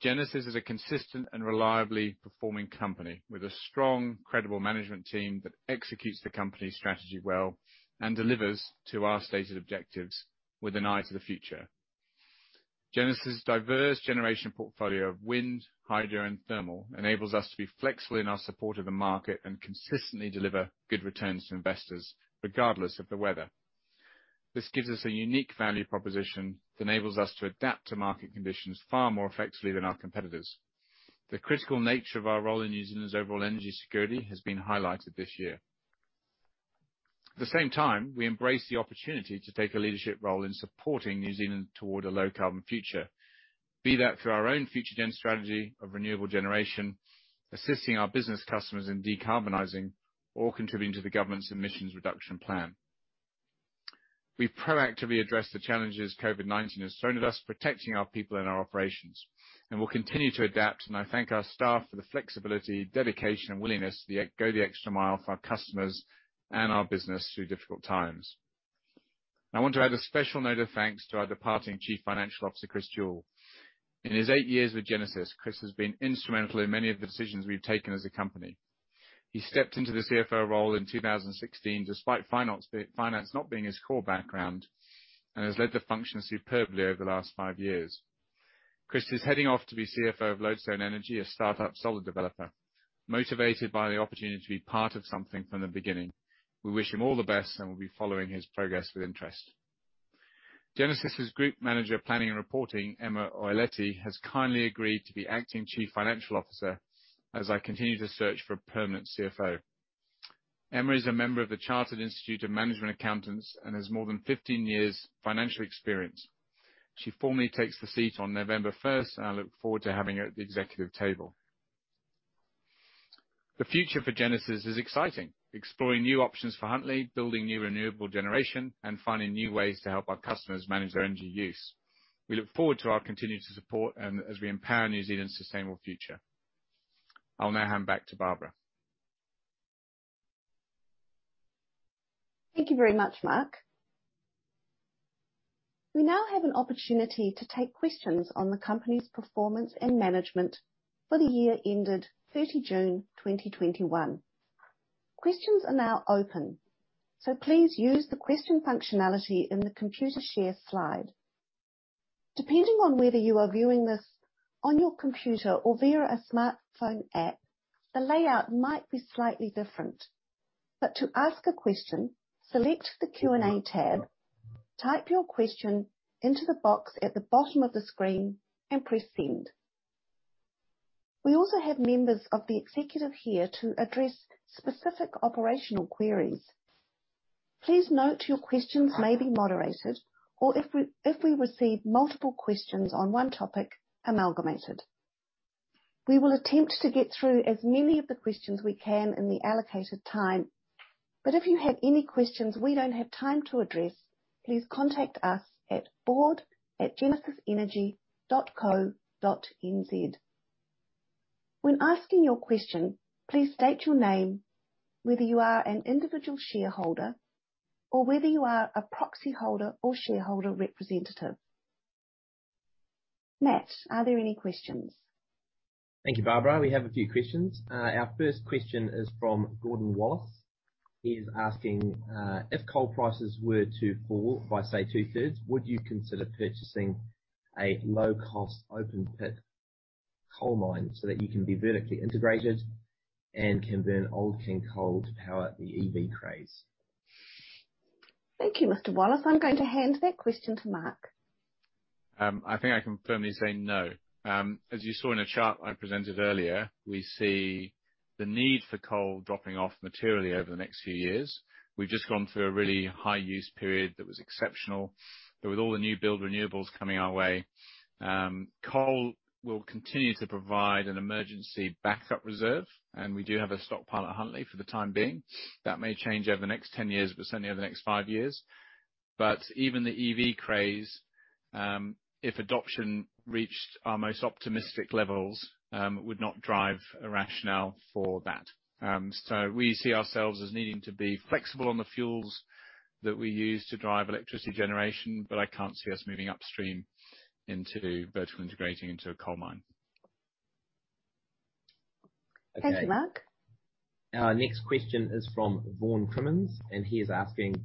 Genesis is a consistent and reliably performing company with a strong, credible management team that executes the company's strategy well and delivers to our stated objectives with an eye to the future. Genesis' diverse generation portfolio of wind, hydro, and thermal enables us to be flexible in our support of the market and consistently deliver good returns to investors regardless of the weather. This gives us a unique value proposition that enables us to adapt to market conditions far more effectively than our competitors. The critical nature of our role in using this overall energy security has been highlighted this year. At the same time, we embrace the opportunity to take a leadership role in supporting New Zealand toward a low-carbon future, be that through our own Future-gen strategy of renewable generation, assisting our business customers in decarbonizing or contributing to the government's emissions reduction plan. We've proactively addressed the challenges COVID-19 has thrown at us, protecting our people and our operations, and we'll continue to adapt. I thank our staff for the flexibility, dedication and willingness to go the extra mile for our customers and our business through difficult times. I want to add a special note of thanks to our departing Chief Financial Officer, Chris Jewell. In his eight years with Genesis, Chris has been instrumental in many of the decisions we've taken as a company. He stepped into the CFO role in 2016, despite finance not being his core background, and has led the function superbly over the last five years. Chris is heading off to be CFO of Lodestone Energy, a start-up solar developer, motivated by the opportunity to be part of something from the beginning. We wish him all the best, and we'll be following his progress with interest. Genesis' Group Manager of Planning and Reporting, Emma Oettli, has kindly agreed to be Acting Chief Financial Officer as I continue to search for a permanent CFO. Emma is a member of the Chartered Institute of Management Accountants and has more than 15 years financial experience. She formally takes the seat on November 1. I look forward to having her at the executive table. The future for Genesis is exciting, exploring new options for Huntly, building new renewable generation, and finding new ways to help our customers manage their energy use. We look forward to our continued support and as we empower New Zealand's sustainable future. I'll now hand back to Barbara. Thank you very much, Marc. We now have an opportunity to take questions on the company's performance and management for the year ended 30 June 2021. Questions are now open, so please use the question functionality in the Computershare slide. Depending on whether you are viewing this on your computer or via a smartphone app, the layout might be slightly different. To ask a question, select the Q&A tab, type your question into the box at the bottom of the screen, and press Send. We also have members of the executive here to address specific operational queries. Please note your questions may be moderated or if we receive multiple questions on one topic, amalgamated. We will attempt to get through as many of the questions we can in the allocated time. If you have any questions we don't have time to address, please contact us at board@genesisenergy.co.nz. When asking your question, please state your name, whether you are an individual shareholder or whether you are a proxy holder or shareholder representative. Matt, are there any questions? Thank you, Barbara. We have a few questions. Our first question is from Gordon Wallace. He's asking, "If coal prices were to fall by, say, two-thirds, would you consider purchasing a low-cost open pit coal mine so that you can be vertically integrated and can burn old king coal to power the EV craze? Thank you, Mr. Wallace. I'm going to hand that question to Marc. I think I can firmly say no. As you saw in a chart I presented earlier, we see the need for coal dropping off materially over the next few years. We've just gone through a really high use period that was exceptional. With all the new build renewables coming our way, coal will continue to provide an emergency backup reserve, and we do have a stockpile at Huntly for the time being. That may change over the next 10 years, but certainly over the next 5 years. Even the EV craze, if adoption reached our most optimistic levels, would not drive a rationale for that. We see ourselves as needing to be flexible on the fuels that we use to drive electricity generation, but I can't see us moving upstream into vertically integrating into a coal mine. Thank you, Marc. Our next question is from Vaughn Crimmins, and he is asking,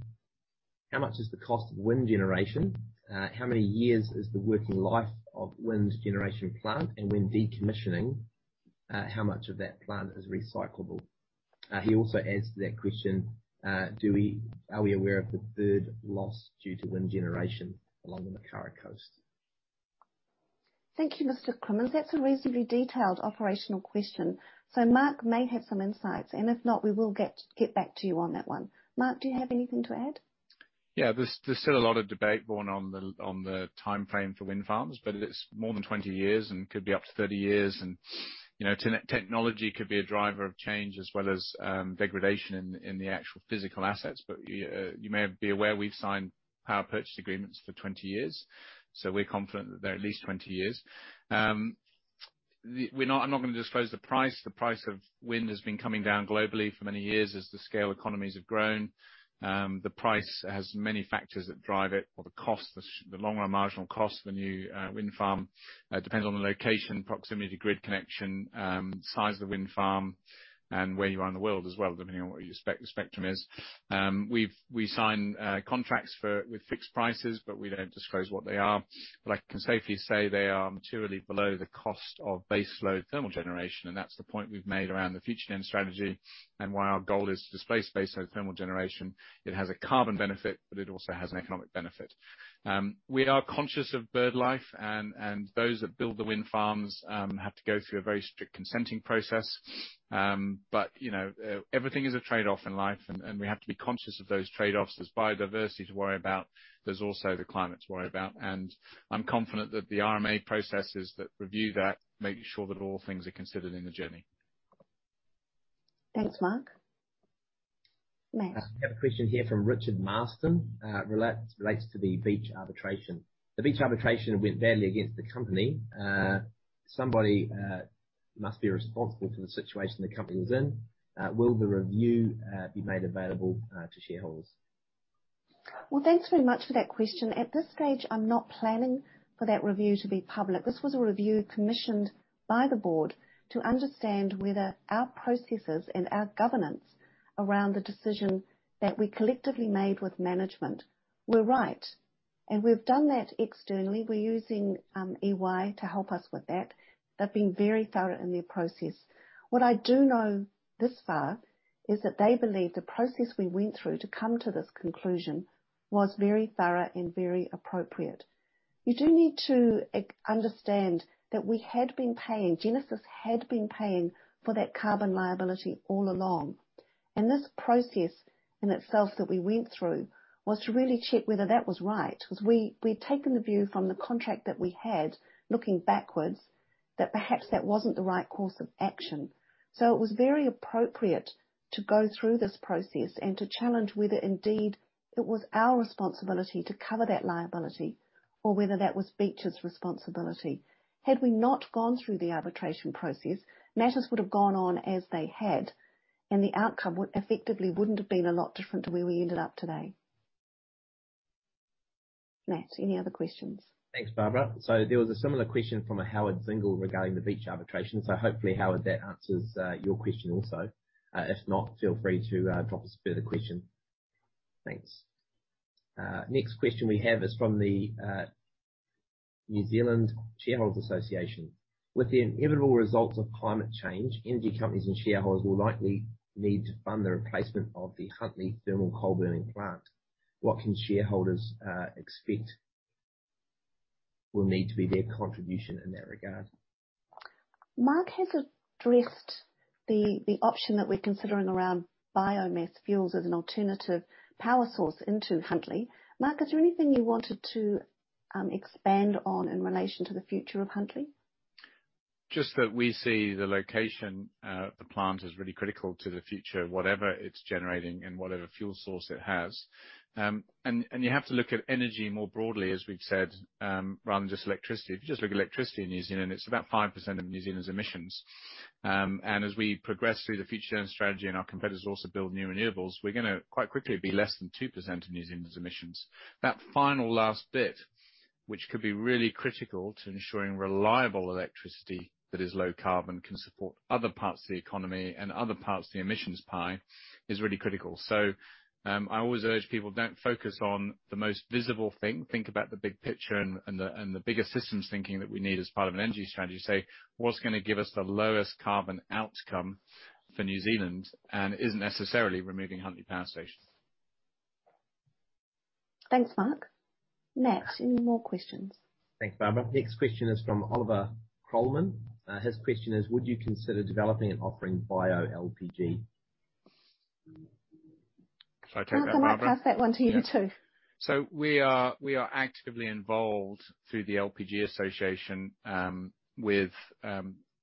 "How much is the cost of wind generation? How many years is the working life of wind generation plant? And when decommissioning, how much of that plant is recyclable?" He also adds to that question, "Are we aware of the bird loss due to wind generation along the Makara coast? Thank you, Mr. Crimmins. That's a reasonably detailed operational question. Marc may have some insights, and if not, we will get back to you on that one. Marc, do you have anything to add? Yeah, there's still a lot of debate going on the timeframe for wind farms, but it's more than 20 years and could be up to 30 years. You know, technology could be a driver of change as well as degradation in the actual physical assets. You may be aware we've signed power purchase agreements for 20 years, so we're confident that they're at least 20 years. I'm not gonna disclose the price. The price of wind has been coming down globally for many years as the scale economies have grown. The price has many factors that drive it or the cost, the long run marginal cost of a new wind farm depends on the location, proximity to grid connection, size of the wind farm, and where you are in the world as well, depending on what your spectrum is. We sign contracts with fixed prices, but we don't disclose what they are. I can safely say they are materially below the cost of base load thermal generation, and that's the point we've made around the Future-gen strategy and why our goal is to displace base load thermal generation. It has a carbon benefit, but it also has an economic benefit. We are conscious of bird life and those that build the wind farms have to go through a very strict consenting process. You know, everything is a trade-off in life, and we have to be conscious of those trade-offs. There's biodiversity to worry about. There's also the climate to worry about. I'm confident that the RMA processes that review that make sure that all things are considered in the journey. Thanks, Marc. Matthew. We have a question here from Richard Marston. Relates to the Beach arbitration. The Beach arbitration went badly against the company. Somebody must be responsible for the situation the company was in. Will the review be made available to shareholders? Well, thanks very much for that question. At this stage, I'm not planning for that review to be public. This was a review commissioned by the board to understand whether our processes and our governance around the decision that we collectively made with management were right. We've done that externally. We're using EY to help us with that. They've been very thorough in their process. What I do know this far is that they believe the process we went through to come to this conclusion was very thorough and very appropriate. You do need to understand that we had been paying, Genesis had been paying for that carbon liability all along. This process in itself that we went through was to really check whether that was right. 'Cause we'd taken the view from the contract that we had, looking backwards, that perhaps that wasn't the right course of action. It was very appropriate to go through this process and to challenge whether indeed it was our responsibility to cover that liability or whether that was Beach's responsibility. Had we not gone through the arbitration process, matters would have gone on as they had, and the outcome would effectively wouldn't have been a lot different to where we ended up today. Matt, any other questions? Thanks, Barbara. There was a similar question from a Howard Zingel regarding the Beach arbitration. Hopefully, Howard, that answers your question also. If not, feel free to drop us a further question. Thanks. Next question we have is from the New Zealand Shareholders' Association. With the inevitable results of climate change, energy companies and shareholders will likely need to fund the replacement of the Huntly thermal coal burning plant. What can shareholders expect will need to be their contribution in that regard? Marc has addressed the option that we're considering around biomass fuels as an alternative power source into Huntly. Marc, is there anything you wanted to expand on in relation to the future of Huntly? Just that we see the location of the plant is really critical to the future, whatever it's generating and whatever fuel source it has. And you have to look at energy more broadly, as we've said, rather than just electricity. If you just look at electricity in New Zealand, it's about 5% of New Zealand's emissions. And as we progress through the Future-gen strategy and our competitors also build new renewables, we're gonna quite quickly be less than 2% of New Zealand's emissions. That final last bit, which could be really critical to ensuring reliable electricity that is low-carbon, can support other parts of the economy and other parts of the emissions pie is really critical. I always urge people, don't focus on the most visible thing. Think about the big picture and the bigger systems thinking that we need as part of an energy strategy to say, "What's gonna give us the lowest carbon outcome for New Zealand?" It isn't necessarily removing Huntly Power Station. Thanks, Marc. Matt, any more questions? Thanks, Barbara. Next question is from Oliver Crollmann. His question is: Would you consider developing and offering bio LPG? Shall I take that, Barbara? Marc, I'm gonna pass that one to you too. Yeah. We are actively involved through the LPG Association with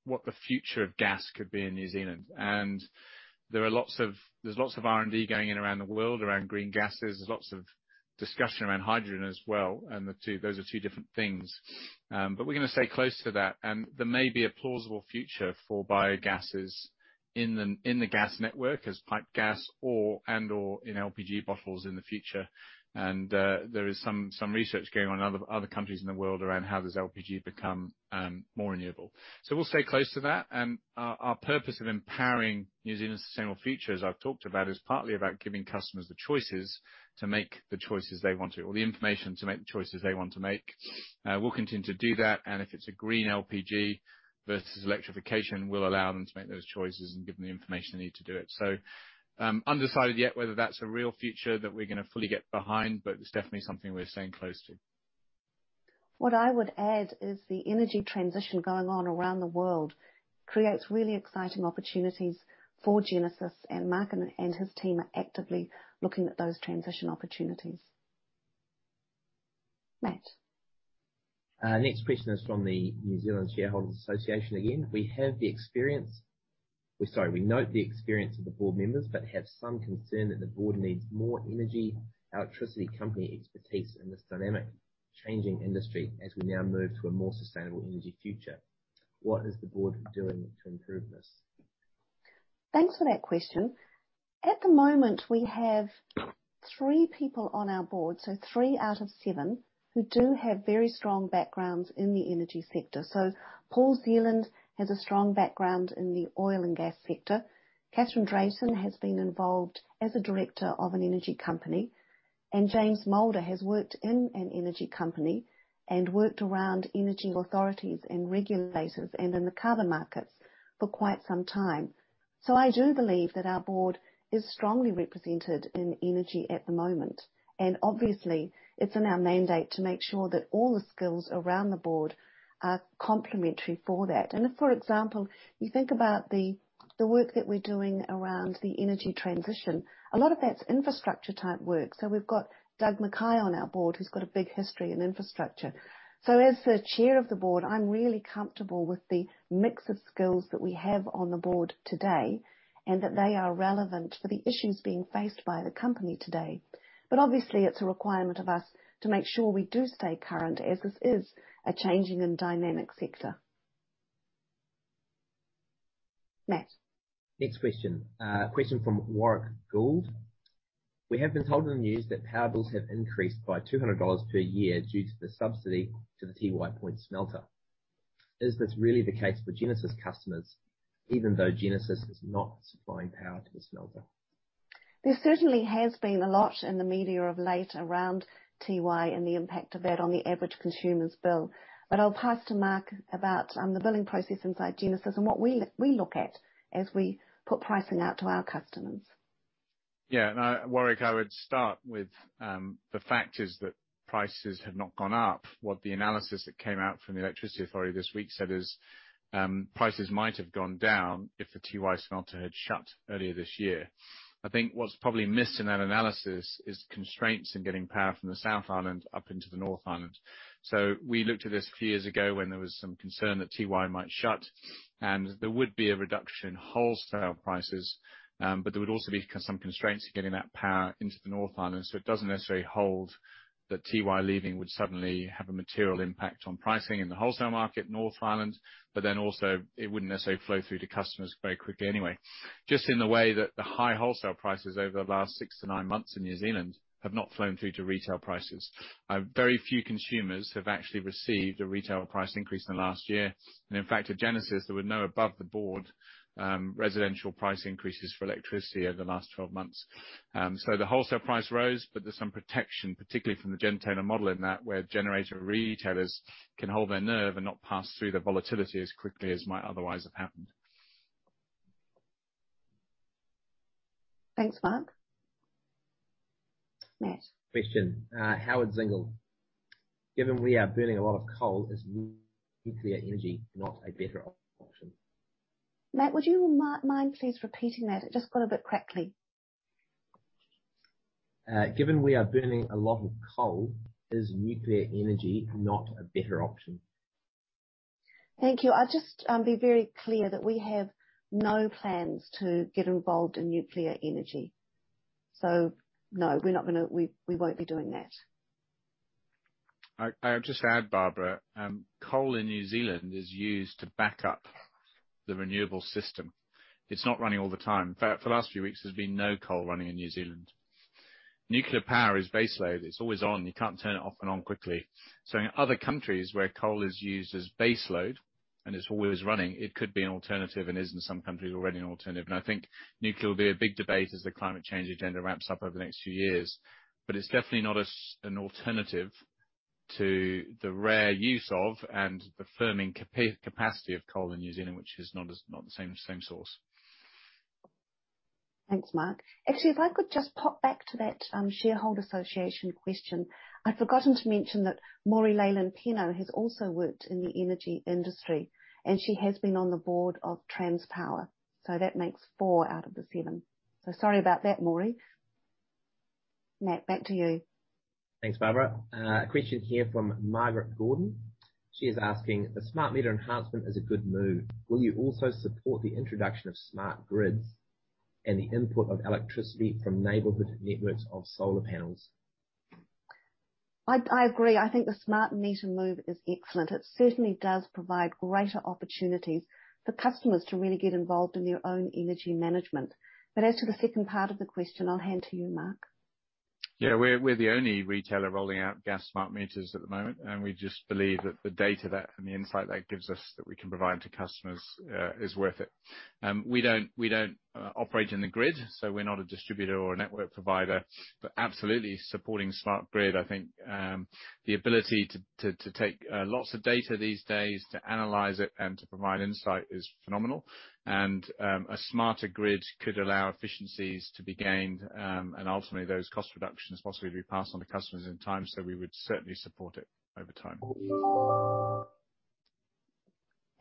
what the future of gas could be in New Zealand. There are lots of R&D going on around the world around green gases. There's lots of discussion around hydrogen as well, and those are two different things. We're gonna stay close to that. There may be a plausible future for biogases in the gas network as piped gas or and/or in LPG bottles in the future. There is some research going on in other countries in the world around how does LPG become more renewable. We'll stay close to that. Our purpose of empowering New Zealand's sustainable future, as I've talked about, is partly about giving customers the choices to make the choices they want to or the information to make the choices they want to make. We'll continue to do that, and if it's a green LPG versus electrification, we'll allow them to make those choices and give them the information they need to do it. Undecided yet whether that's a real future that we're gonna fully get behind, but it's definitely something we're staying close to. What I would add is the energy transition going on around the world creates really exciting opportunities for Genesis, and Marc and his team are actively looking at those transition opportunities. Matt. Next question is from the New Zealand Shareholders' Association again. We note the experience of the board members, but have some concern that the board needs more energy, electricity, company expertise in this dynamic, changing industry as we now move to a more sustainable energy future. What is the board doing to improve this? Thanks for that question. At the moment, we have three people on our board, so three out of seven, who do have very strong backgrounds in the energy sector. Paul Zealand has a strong background in the oil and gas sector. Catherine Drayton has been involved as a director of an energy company, and James Moulder has worked in an energy company and worked around energy authorities and regulators and in the carbon markets for quite some time. I do believe that our board is strongly represented in energy at the moment, and obviously, it's in our mandate to make sure that all the skills around the board are complementary for that. If, for example, you think about the work that we're doing around the energy transition, a lot of that's infrastructure type work. We've got Doug McKay on our board, who's got a big history in infrastructure. As the Chair of the Board, I'm really comfortable with the mix of skills that we have on the board today and that they are relevant for the issues being faced by the company today. Obviously it's a requirement of us to make sure we do stay current as this is a changing and dynamic sector. Matt. Next question. Question from Warwick Gould. We have been told in the news that power bills have increased by 200 dollars per year due to the subsidy to the Tiwai Point smelter. Is this really the case for Genesis customers, even though Genesis is not supplying power to the smelter? There certainly has been a lot in the media of late around Tiwai and the impact of that on the average consumer's bill. I'll pass to Marc about the billing process inside Genesis and what we look at as we put pricing out to our customers. Yeah. No, Warwick, I would start with the fact is that prices have not gone up. What the analysis that came out from the Electricity Authority this week said is prices might have gone down if the Tiwai smelter had shut earlier this year. I think what's probably missed in that analysis is constraints in getting power from the South Island up into the North Island. We looked at this a few years ago when there was some concern that Tiwai might shut and there would be a reduction in wholesale prices, but there would also be some constraints to getting that power into the North Island. It doesn't necessarily hold that Tiwai leaving would suddenly have a material impact on pricing in the wholesale market, North Island, but then also it wouldn't necessarily flow through to customers very quickly anyway. Just in the way that the high wholesale prices over the last 6-9 months in New Zealand have not flowed through to retail prices. Very few consumers have actually received a retail price increase in the last year. In fact, at Genesis, there were no above-the-board residential price increases for electricity over the last 12 months. The wholesale price rose, but there's some protection, particularly from the gentailer model in that where generator retailers can hold their nerve and not pass through the volatility as quickly as might otherwise have happened. Thanks, Marc. Matthew. Howard Zingel. Given we are burning a lot of coal, is nuclear energy not a better option? Matt, would you mind please repeating that? It just got a bit crackly. Given we are burning a lot of coal, is nuclear energy not a better option? Thank you. I'll just be very clear that we have no plans to get involved in nuclear energy. We won't be doing that. I would just add, Barbara, coal in New Zealand is used to back up the renewable system. It's not running all the time. In fact, for the last few weeks, there's been no coal running in New Zealand. Nuclear power is base load. It's always on. You can't turn it off and on quickly. In other countries where coal is used as base load and it's always running, it could be an alternative and is in some countries already an alternative. I think nuclear will be a big debate as the climate change agenda ramps up over the next few years. It's definitely not as an alternative to the rare use of and the firming capacity of coal in New Zealand, which is not the same source. Thanks, Marc. Actually, if I could just pop back to that, shareholder association question. I'd forgotten to mention that Maury Leyland Penno has also worked in the energy industry, and she has been on the board of Transpower, so that makes four out of the seven. Sorry about that, Maury. Matt, back to you. Thanks, Barbara. A question here from Margaret Gordon. She is asking, "The smart meter enhancement is a good move. Will you also support the introduction of smart grids and the input of electricity from neighborhood networks of solar panels? I agree. I think the smart meter move is excellent. It certainly does provide greater opportunities for customers to really get involved in their own energy management. As to the second part of the question, I'll hand to you, Marc. Yeah. We're the only retailer rolling out gas smart meters at the moment, and we just believe that the data and the insight that it gives us that we can provide to customers is worth it. We don't operate in the grid, so we're not a distributor or a network provider, but absolutely supporting smart grid. I think the ability to take lots of data these days to analyze it and to provide insight is phenomenal. A smarter grid could allow efficiencies to be gained, and ultimately those cost reductions possibly be passed on to customers in time, so we would certainly support it over time.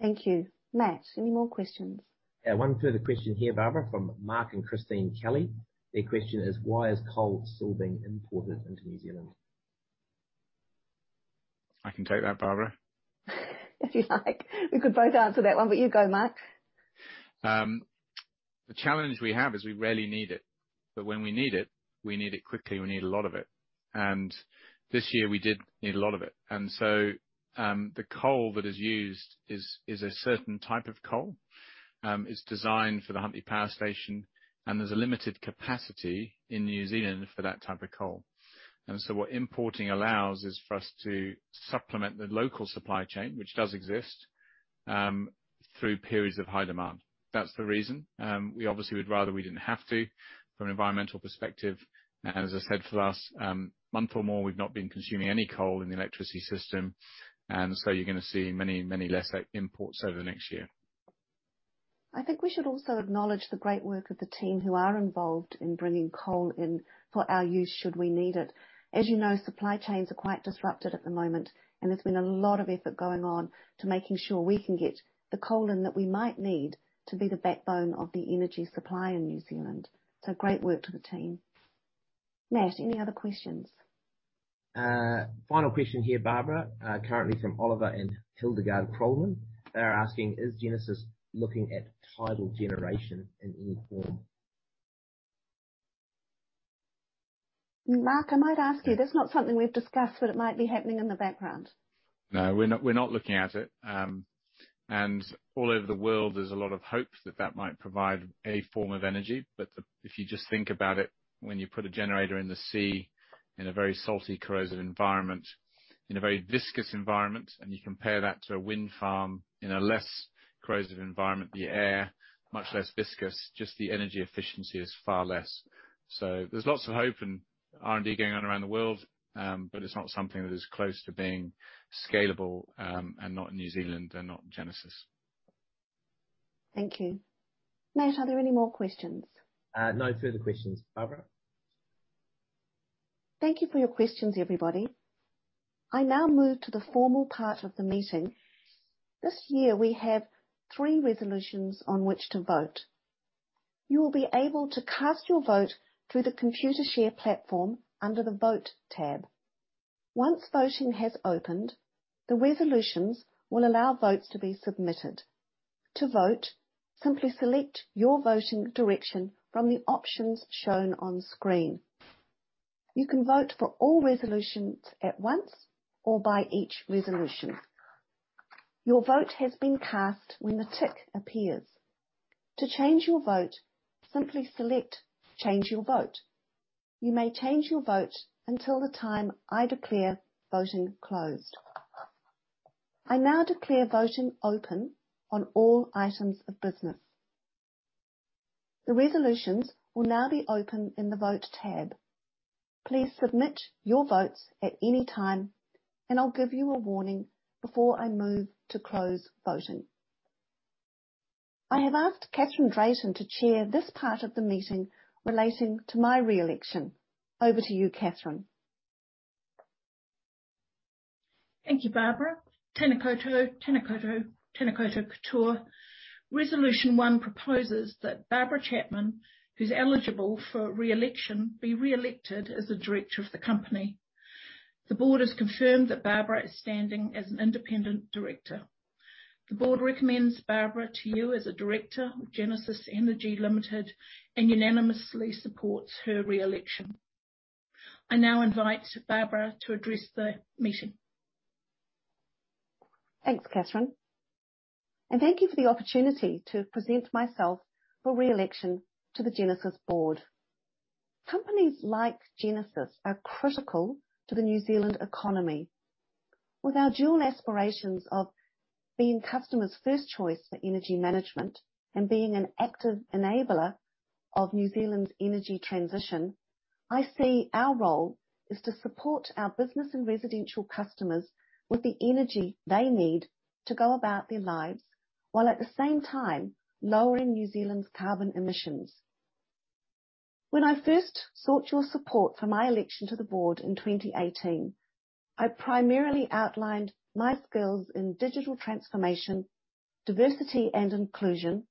Thank you. Matt, any more questions? Yeah. One further question here, Barbara, from Marc and Christine Kelly. Their question is, "Why is coal still being imported into New Zealand? I can take that, Barbara. If you'd like. We could both answer that one, but you go, Marc. The challenge we have is we rarely need it, but when we need it, we need it quickly. We need a lot of it. This year we did need a lot of it. The coal that is used is a certain type of coal. It's designed for the Huntly Power Station, and there's a limited capacity in New Zealand for that type of coal. What importing allows is for us to supplement the local supply chain, which does exist through periods of high demand. That's the reason. We obviously would rather we didn't have to from an environmental perspective. As I said, for the last month or more, we've not been consuming any coal in the electricity system. You're gonna see many, many less imports over the next year. I think we should also acknowledge the great work of the team who are involved in bringing coal in for our use should we need it. As you know, supply chains are quite disrupted at the moment and there's been a lot of effort going on to making sure we can get the coal in that we might need to be the backbone of the energy supply in New Zealand. Great work to the team. Matt, any other questions? Final question here, Barbara, currently from Oliver and Hildegard Crollmann. They are asking, "Is Genesis looking at tidal generation in any form? Marc, I might ask you. That's not something we've discussed, but it might be happening in the background. No, we're not looking at it. All over the world there's a lot of hope that that might provide a form of energy. If you just think about it, when you put a generator in the sea in a very salty, corrosive environment, in a very viscous environment, and you compare that to a wind farm in a less corrosive environment, the air much less viscous, just the energy efficiency is far less. There's lots of hope and R&D going on around the world, but it's not something that is close to being scalable, and not in New Zealand and not Genesis. Thank you. Nat, are there any more questions? No further questions, Barbara. Thank you for your questions, everybody. I now move to the formal part of the meeting. This year we have three resolutions on which to vote. You will be able to cast your vote through the Computershare platform under the Vote tab. Once voting has opened, the resolutions will allow votes to be submitted. To vote, simply select your voting direction from the options shown on screen. You can vote for all resolutions at once or by each resolution. Your vote has been cast when the tick appears. To change your vote, simply select Change your vote. You may change your vote until the time I declare voting closed. I now declare voting open on all items of business. The resolutions will now be open in the Vote tab. Please submit your votes at any time, and I'll give you a warning before I move to close voting. I have asked Catherine Drayton to chair this part of the meeting relating to my reelection. Over to you, Kathryn. Thank you, Barbara. Tēnā koutou, tēnā koutou, tēnā koutou katoa. Resolution 1 proposes that Barbara Chapman, who's eligible for reelection, be reelected as a director of the company. The board has confirmed that Barbara is standing as an independent director. The board recommends Barbara to you as a director of Genesis Energy Limited and unanimously supports her reelection. I now invite Barbara to address the meeting. Thanks, Catherine, and thank you for the opportunity to present myself for reelection to the Genesis board. Companies like Genesis are critical to the New Zealand economy. With our dual aspirations of being customers' first choice for energy management and being an active enabler of New Zealand's energy transition, I see our role is to support our business and residential customers with the energy they need to go about their lives, while at the same time lowering New Zealand's carbon emissions. When I first sought your support for my election to the board in 2018, I primarily outlined my skills in digital transformation, diversity and inclusion,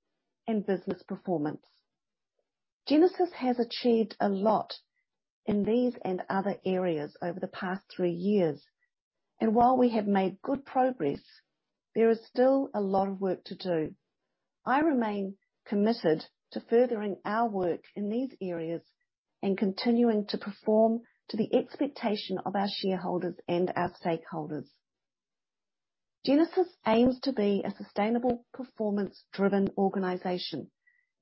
and business performance. Genesis has achieved a lot in these and other areas over the past three years. While we have made good progress, there is still a lot of work to do. I remain committed to furthering our work in these areas and continuing to perform to the expectation of our shareholders and our stakeholders. Genesis aims to be a sustainable, performance-driven organization,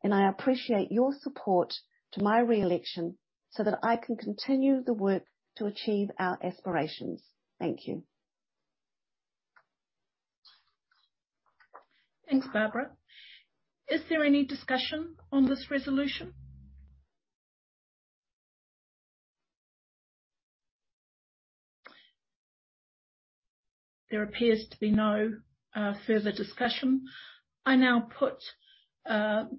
and I appreciate your support to my reelection so that I can continue the work to achieve our aspirations. Thank you. Thanks, Barbara. Is there any discussion on this resolution? There appears to be no further discussion. I now put to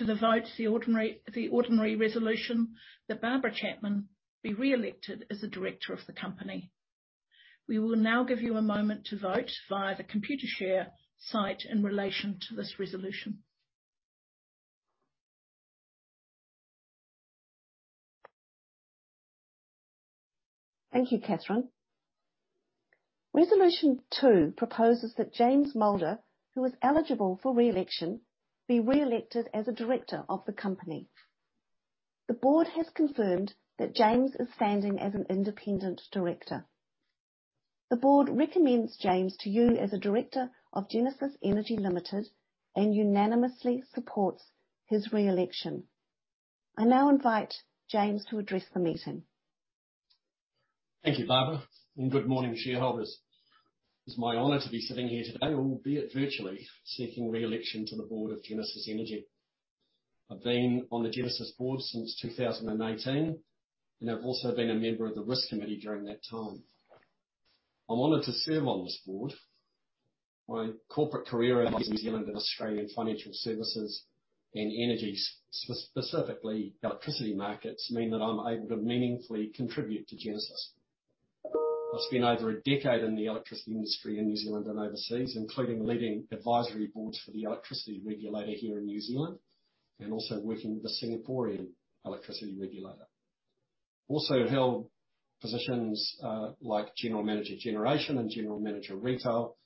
the vote the ordinary resolution that Barbara Chapman be reelected as a director of the company. We will now give you a moment to vote via the Computershare site in relation to this resolution. Thank you, Catherine. Resolution 2 proposes that James Moulder, who is eligible for reelection, be reelected as a director of the company. The board has confirmed that James is standing as an independent director. The board recommends James to you as a director of Genesis Energy Limited and unanimously supports his reelection. I now invite James to address the meeting. Thank you, Barbara, and good morning, shareholders. It's my honor to be sitting here today, albeit virtually, seeking reelection to the board of Genesis Energy. I've been on the Genesis board since 2018, and I've also been a member of the Risk Committee during that time. I'm honored to serve on this board. My corporate career in New Zealand and Australian financial services and energy, specifically electricity markets, mean that I'm able to meaningfully contribute to Genesis. I've spent over a decade in the electricity industry in New Zealand and overseas, including leading advisory boards for the Electricity Regulator here in New Zealand and also working with the Singaporean Electricity Regulator. Also held positions like General Manager, Generation and General Manager, Retail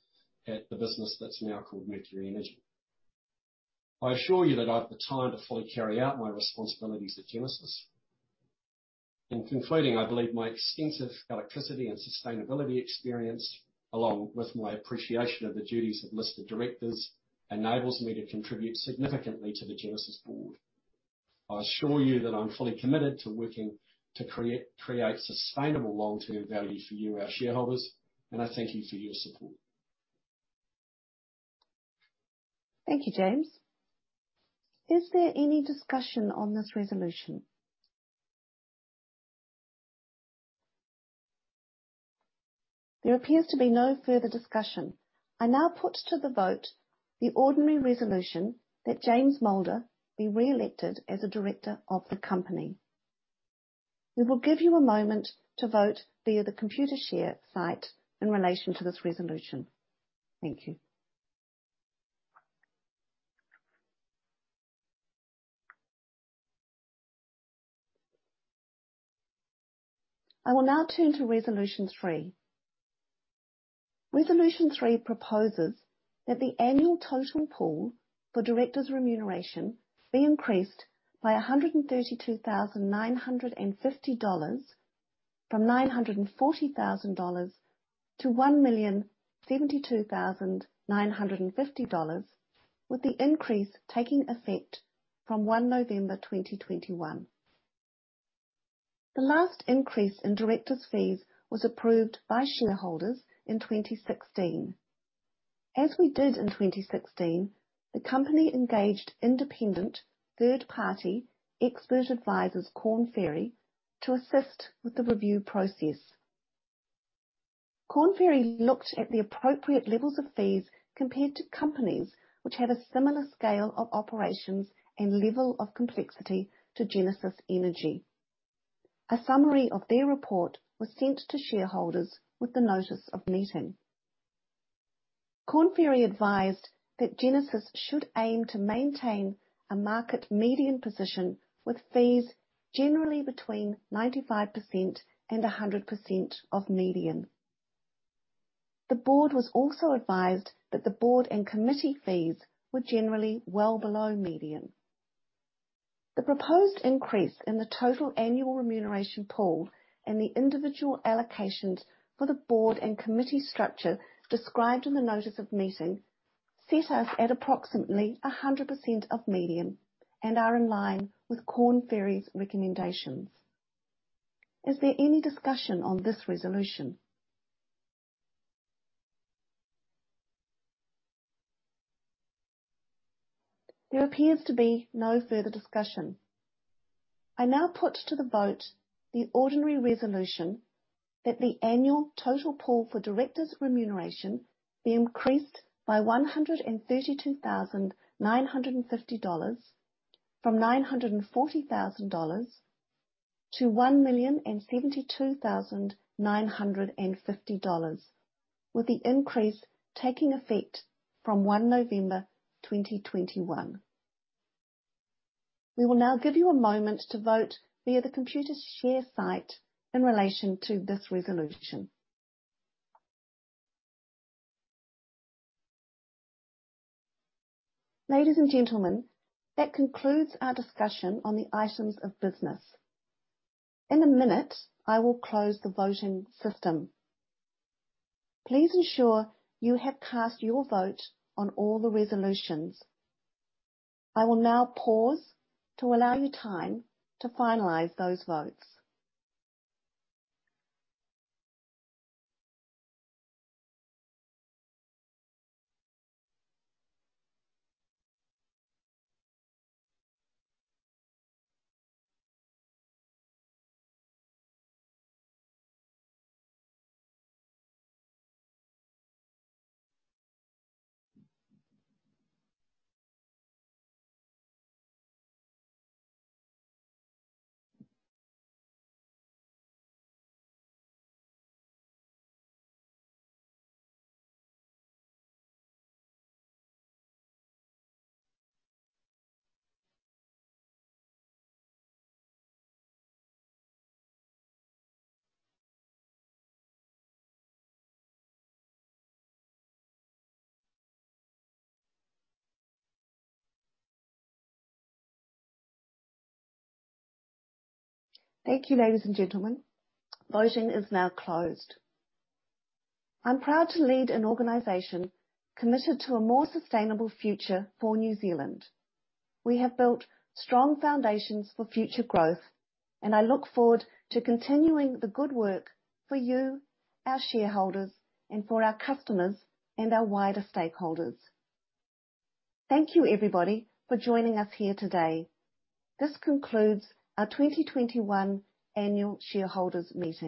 at the business that's now called Mercury Energy. I assure you that I have the time to fully carry out my responsibilities at Genesis. In concluding, I believe my extensive electricity and sustainability experience, along with my appreciation of the duties of listed directors, enables me to contribute significantly to the Genesis board. I assure you that I'm fully committed to working to create sustainable long-term value for you, our shareholders, and I thank you for your support. Thank you, James. Is there any discussion on this resolution? There appears to be no further discussion. I now put to the vote the ordinary resolution that James Moulder be reelected as a director of the company. We will give you a moment to vote via the Computershare site in relation to this resolution. Thank you. I will now turn to resolution three. Resolution three proposes that the annual total pool for directors' remuneration be increased by 132,950 dollars from 940,000 dollars to 1,072,950 dollars, with the increase taking effect from 1 November 2021. The last increase in directors' fees was approved by shareholders in 2016. As we did in 2016, the company engaged independent third-party expert advisors, Korn Ferry, to assist with the review process. Korn Ferry looked at the appropriate levels of fees compared to companies which have a similar scale of operations and level of complexity to Genesis Energy. A summary of their report was sent to shareholders with the notice of meeting. Korn Ferry advised that Genesis should aim to maintain a market median position with fees generally between 95% and 100% of median. The board was also advised that the board and committee fees were generally well below median. The proposed increase in the total annual remuneration pool and the individual allocations for the board and committee structure described in the notice of meeting set us at approximately 100% of median and are in line with Korn Ferry's recommendations. Is there any discussion on this resolution? There appears to be no further discussion. I now put to the vote the ordinary resolution that the annual total pool for directors' remuneration be increased by 132,950 dollars from 940,000 dollars to 1,072,950 dollars, with the increase taking effect from 1 November 2021. We will now give you a moment to vote via the Computershare site in relation to this resolution. Ladies and gentlemen, that concludes our discussion on the items of business. In a minute, I will close the voting system. Please ensure you have cast your vote on all the resolutions. I will now pause to allow you time to finalize those votes. Thank you, ladies and gentlemen. Voting is now closed. I'm proud to lead an organization committed to a more sustainable future for New Zealand. We have built strong foundations for future growth, and I look forward to continuing the good work for you, our shareholders, and for our customers and our wider stakeholders. Thank you, everybody, for joining us here today. This concludes our 2021 annual shareholders meeting.